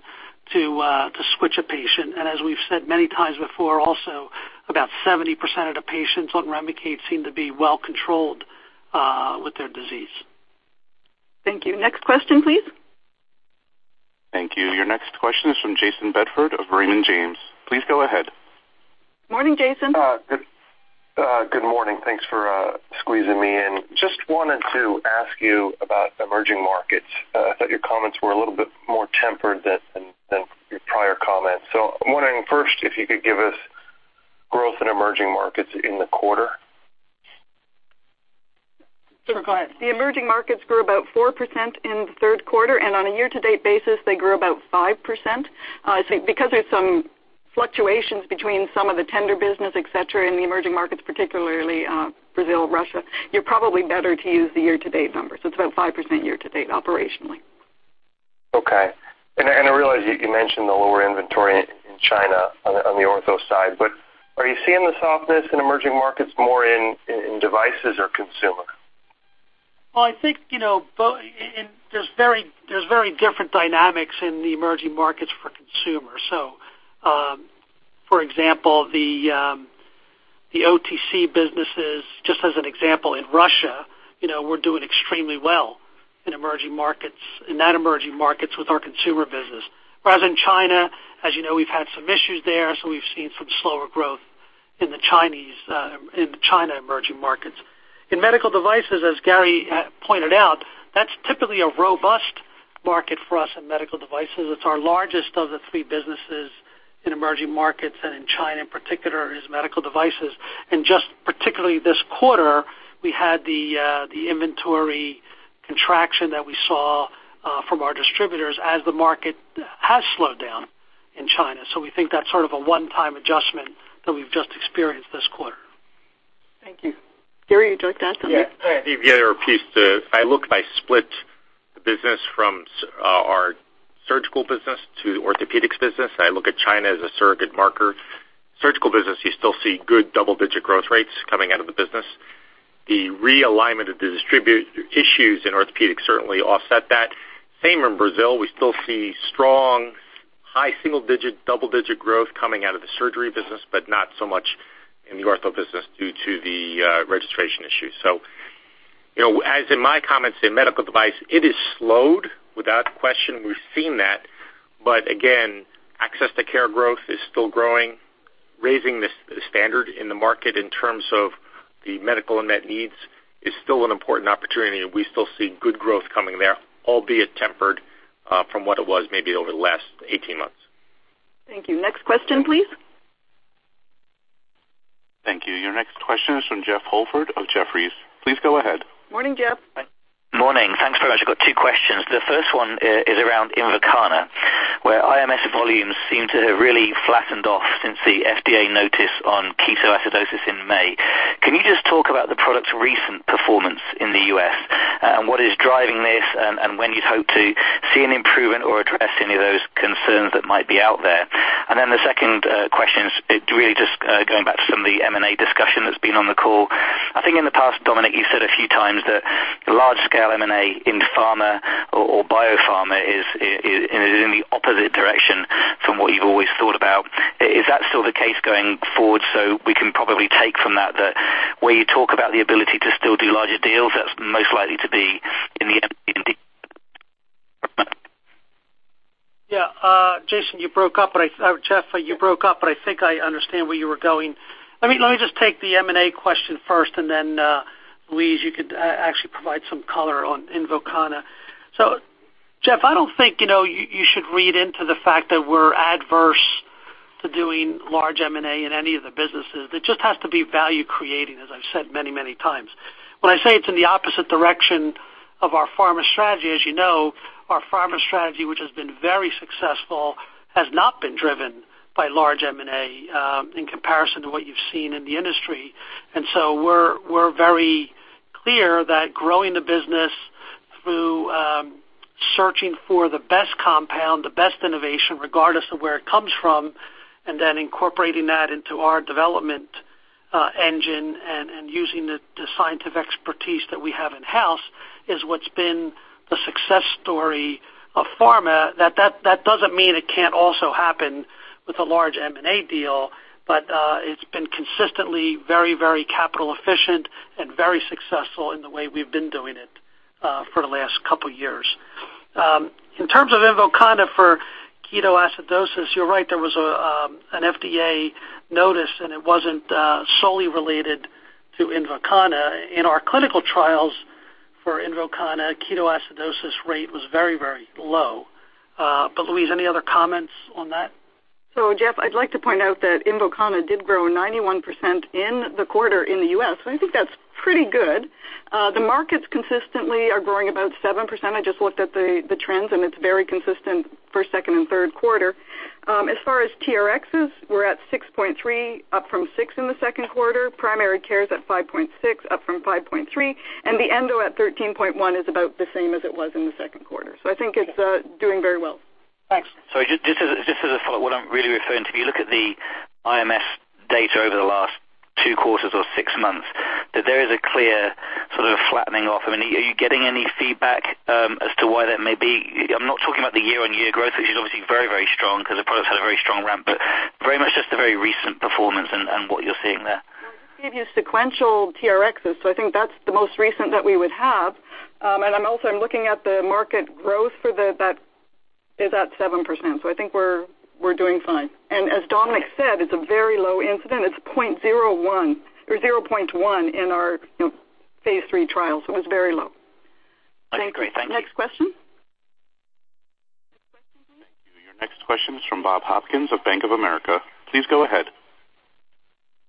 [SPEAKER 4] to switch a patient. As we've said many times before also, about 70% of the patients on Remicade seem to be well controlled with their disease.
[SPEAKER 2] Thank you. Next question, please.
[SPEAKER 1] Thank you. Your next question is from Jayson Bedford of Raymond James. Please go ahead.
[SPEAKER 2] Morning, Jayson.
[SPEAKER 14] Good morning. Thanks for squeezing me in. Just wanted to ask you about emerging markets. I thought your comments were a little bit more tempered than your prior comments. I'm wondering first, if you could give us growth in emerging markets in the quarter.
[SPEAKER 2] Sure. Go ahead. The emerging markets grew about 4% in the third quarter. On a year-to-date basis, they grew about 5%. I think because there's some fluctuations between some of the tender business, et cetera, in the emerging markets, particularly Brazil, Russia, you're probably better to use the year-to-date numbers. It's about 5% year to date operationally.
[SPEAKER 14] Okay. I realize you mentioned the lower inventory in China on the ortho side. Are you seeing the softness in emerging markets more in devices or consumer?
[SPEAKER 4] I think there's very different dynamics in the emerging markets for consumers. For example, the OTC businesses, just as an example, in Russia, we're doing extremely well in emerging markets, in that emerging markets with our consumer business. Whereas in China, as you know, we've had some issues there, we've seen some slower growth in the China emerging markets. In medical devices, as Gary pointed out, that's typically a robust market for us in medical devices. It's our largest of the three businesses in emerging markets and in China in particular, is medical devices. Just particularly this quarter, we had the inventory contraction that we saw from our distributors as the market has slowed down in China. We think that's sort of a one-time adjustment that we've just experienced this quarter.
[SPEAKER 14] Thank you.
[SPEAKER 2] Gary, you'd like to add something?
[SPEAKER 3] To add a piece to, I look by split the business from our surgical business to the orthopaedics business. I look at China as a surrogate marker. Surgical business, you still see good double-digit growth rates coming out of the business. The realignment of the distribution issues in orthopaedics certainly offset that. Same in Brazil. We still see strong, high single-digit, double-digit growth coming out of the surgery business, but not so much in the orthopaedics business due to the registration issue. As in my comments in medical device, it is slowed. Without question, we've seen that. Again, access to care growth is still growing. Raising the standard in the market in terms of the medical unmet needs is still an important opportunity, and we still see good growth coming there, albeit tempered from what it was maybe over the last 18 months.
[SPEAKER 2] Thank you. Next question, please.
[SPEAKER 1] Thank you. Your next question is from Jeff Holford of Jefferies. Please go ahead.
[SPEAKER 2] Morning, Jeff.
[SPEAKER 15] Morning. Thanks very much. I've got two questions. The first one is around INVOKANA, where IMS volumes seem to have really flattened off since the FDA notice on ketoacidosis in May. Can you just talk about the product's recent performance in the U.S., and what is driving this, and when you'd hope to see an improvement or address any of those concerns that might be out there? The second question is really just going back to some of the M&A discussion that's been on the call. I think in the past, Dominic, you said a few times that large-scale M&A in pharma or biopharma is in the opposite direction from what you've always thought about. Is that still the case going forward? We can probably take from that where you talk about the ability to still do larger deals, that's most likely to be in the end.
[SPEAKER 4] Jayson, you broke up. Jeff, you broke up, but I think I understand where you were going. Let me just take the M&A question first, and then Louise, you could actually provide some color on INVOKANA. Jeff, I don't think you should read into the fact that we're adverse to doing large M&A in any of the businesses. It just has to be value-creating, as I've said many times. When I say it's in the opposite direction of our pharma strategy, as you know, our pharma strategy, which has been very successful, has not been driven by large M&A in comparison to what you've seen in the industry. We're very clear that growing the business through searching for the best compound, the best innovation, regardless of where it comes from, and then incorporating that into our development engine and using the scientific expertise that we have in-house is what's been the success story of pharma. That doesn't mean it can't also happen with a large M&A deal, but it's been consistently very capital efficient and very successful in the way we've been doing it for the last couple of years. In terms of INVOKANA for ketoacidosis, you're right. There was an FDA notice, and it wasn't solely related to INVOKANA. In our clinical trials for INVOKANA, ketoacidosis rate was very low. Louise, any other comments on that?
[SPEAKER 2] Jeff, I'd like to point out that INVOKANA did grow 91% in the quarter in the U.S., so I think that's pretty good. The markets consistently are growing about 7%. I just looked at the trends, and it's very consistent first, second, and third quarter. As far as TRXs, we're at 6.3, up from six in the second quarter. Primary care is at 5.6, up from 5.3, and the endo at 13.1 is about the same as it was in the second quarter. I think it's doing very well.
[SPEAKER 4] Thanks.
[SPEAKER 15] Sorry, just as a follow-up, what I'm really referring to, if you look at the IMS data over the last two quarters or six months, that there is a clear sort of flattening off. Are you getting any feedback as to why that may be? I'm not talking about the year-on-year growth, which is obviously very strong because the product's had a very strong ramp, but very much just the very recent performance and what you're seeing there.
[SPEAKER 2] Well, I just gave you sequential TRXs. I think that's the most recent that we would have. I'm also looking at the market growth for that, is at 7%. I think we're doing fine. As Dominic said, it's a very low incident. It's 0.01 or 0.1 in our phase III trials. It's very low.
[SPEAKER 15] That's great. Thank you.
[SPEAKER 2] Next question?
[SPEAKER 1] Thank you. Your next question is from Bob Hopkins of Bank of America. Please go ahead.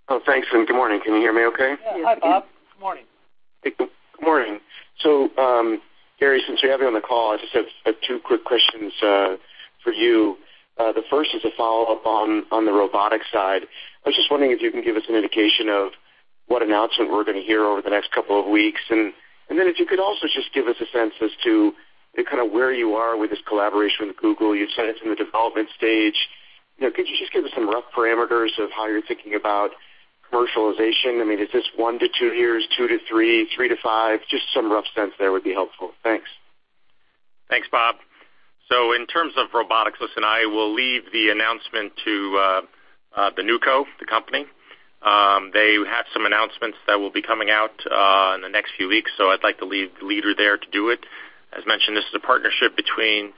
[SPEAKER 16] Oh, thanks. Good morning. Can you hear me okay?
[SPEAKER 2] Yes.
[SPEAKER 4] Hi, Bob. Good morning.
[SPEAKER 16] Good morning. Gary, since you have me on the call, I just have two quick questions for you. The first is a follow-up on the robotics side. I was just wondering if you can give us an indication of what announcement we're going to hear over the next couple of weeks, and then if you could also just give us a sense as to kind of where you are with this collaboration with Google. You said it's in the development stage. Could you just give us some rough parameters of how you're thinking about commercialization? Is this one to two years, two to three to five? Just some rough sense there would be helpful. Thanks.
[SPEAKER 3] Thanks, Bob. In terms of robotics, listen, I will leave the announcement to the new company. They have some announcements that will be coming out in the next few weeks, I'd like to leave the leader there to do it. As mentioned, this is a partnership between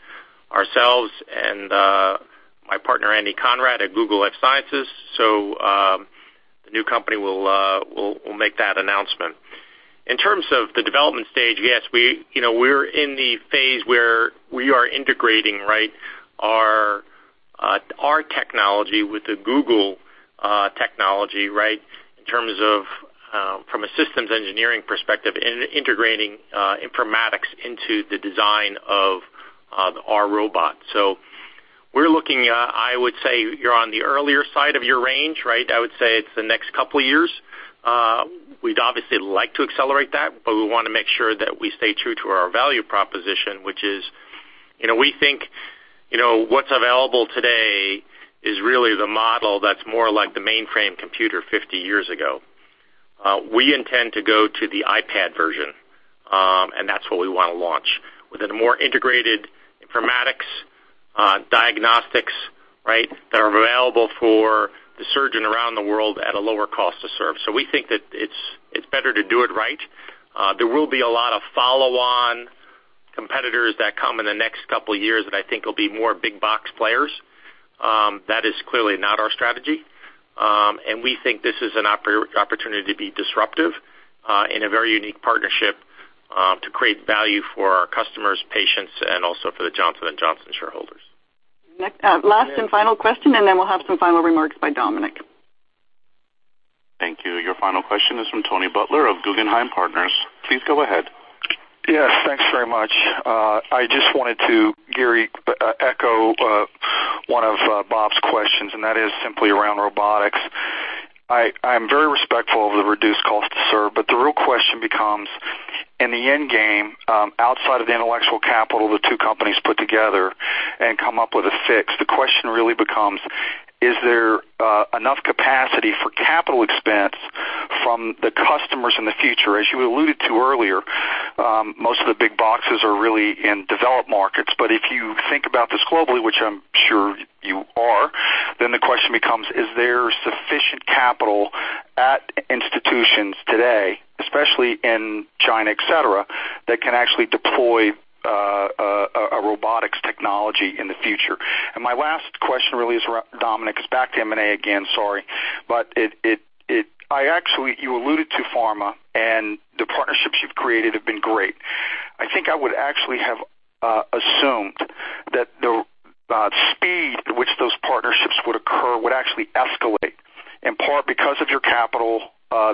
[SPEAKER 3] ourselves and my partner, Andy Conrad at Google Life Sciences. The new company will make that announcement. In terms of the development stage, yes, we're in the phase where we are integrating our technology with the Google technology. In terms of from a systems engineering perspective and integrating informatics into the design of our robot. We're looking, I would say you're on the earlier side of your range. I would say it's the next couple of years. We'd obviously like to accelerate that, we want to make sure that we stay true to our value proposition, which is we think what's available today is really the model that's more like the mainframe computer 50 years ago. We intend to go to the iPad version, that's what we want to launch with a more integrated informatics, diagnostics that are available for the surgeon around the world at a lower cost to serve. We think that it's better to do it right. There will be a lot of follow-on competitors that come in the next couple of years that I think will be more big box players. That is clearly not our strategy. We think this is an opportunity to be disruptive in a very unique partnership, to create value for our customers, patients, and also for the Johnson & Johnson shareholders.
[SPEAKER 2] Last and final question, then we'll have some final remarks by Dominic.
[SPEAKER 1] Thank you. Your final question is from Tony Butler of Guggenheim Partners. Please go ahead.
[SPEAKER 17] Yes, thanks very much. I just wanted to, Gary Pruden, echo one of Bob Hopkins' questions, that is simply around robotics. I'm very respectful of the reduced cost to serve, the real question becomes in the end game, outside of the intellectual capital the two companies put together and come up with a fix. The question really becomes, is there enough capacity for capital expense from the customers in the future? As you alluded to earlier, most of the big boxes are really in developed markets. If you think about this globally, which I'm sure you are, the question becomes, is there sufficient capital at institutions today, especially in China, et cetera, that can actually deploy a robotics technology in the future? My last question really is, Dominic Caruso, it's back to M&A again, sorry. You alluded to pharma, and the partnerships you've created have been great. I think I would actually have assumed that the speed at which those partnerships would occur would actually escalate, in part because of your capital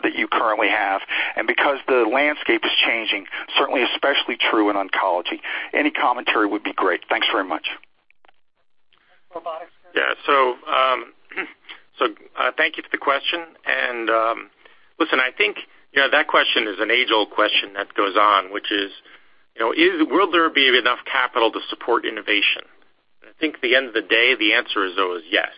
[SPEAKER 17] that you currently have and because the landscape is changing, certainly especially true in oncology. Any commentary would be great. Thanks very much.
[SPEAKER 3] Robotics. Thank you for the question. Listen, I think that question is an age-old question that goes on, which is, will there be enough capital to support innovation? I think at the end of the day, the answer is always yes.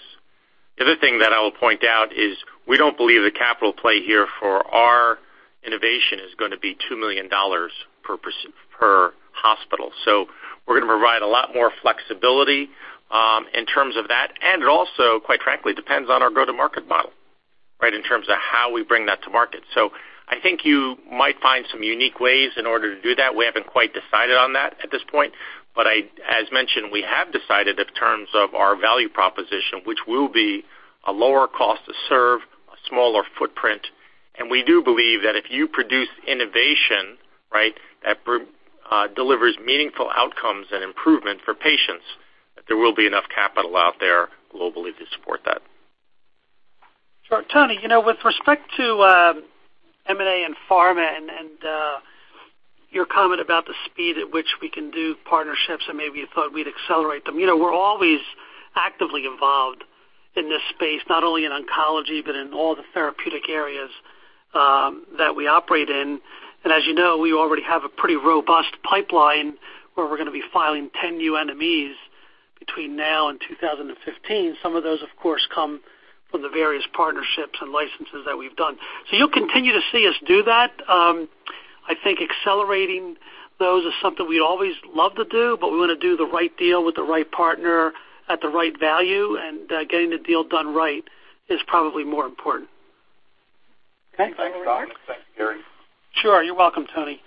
[SPEAKER 3] The other thing that I will point out is we don't believe the capital play here for our innovation is going to be $2 million per hospital. We're going to provide a lot more flexibility in terms of that, and it also, quite frankly, depends on our go-to-market model in terms of how we bring that to market. I think you might find some unique ways in order to do that. We haven't quite decided on that at this point. As mentioned, we have decided in terms of our value proposition, which will be a lower cost to serve, a smaller footprint. We do believe that if you produce innovation that delivers meaningful outcomes and improvement for patients, that there will be enough capital out there globally to support that.
[SPEAKER 4] Tony, with respect to M&A and pharma and your comment about the speed at which we can do partnerships, and maybe you thought we'd accelerate them. We're always actively involved in this space, not only in oncology, but in all the therapeutic areas that we operate in. As you know, we already have a pretty robust pipeline where we're going to be filing 10 new NMEs between now and 2015. Some of those, of course, come from the various partnerships and licenses that we've done. You'll continue to see us do that. I think accelerating those is something we always love to do, we want to do the right deal with the right partner at the right value, and getting the deal done right is probably more important.
[SPEAKER 17] Okay. Thanks, Dominic. Thanks, Gary.
[SPEAKER 4] Sure. You're welcome, Tony.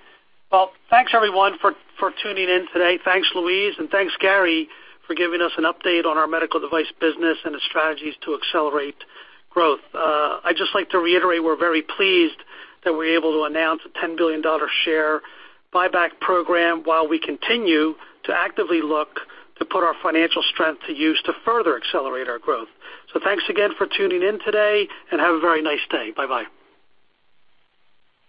[SPEAKER 4] Well, thanks, everyone, for tuning in today. Thanks, Louise, and thanks, Gary, for giving us an update on our medical device business and the strategies to accelerate growth. I'd just like to reiterate we're very pleased that we're able to announce a $10 billion share buyback program while we continue to actively look to put our financial strength to use to further accelerate our growth. Thanks again for tuning in today, and have a very nice day. Bye-bye.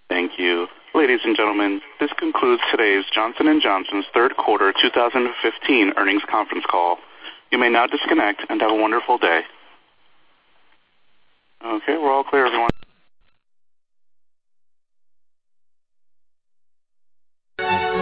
[SPEAKER 1] Thank you. Ladies and gentlemen, this concludes today's Johnson & Johnson's third quarter 2015 earnings conference call. You may now disconnect, and have a wonderful day. Okay. We're all clear, everyone.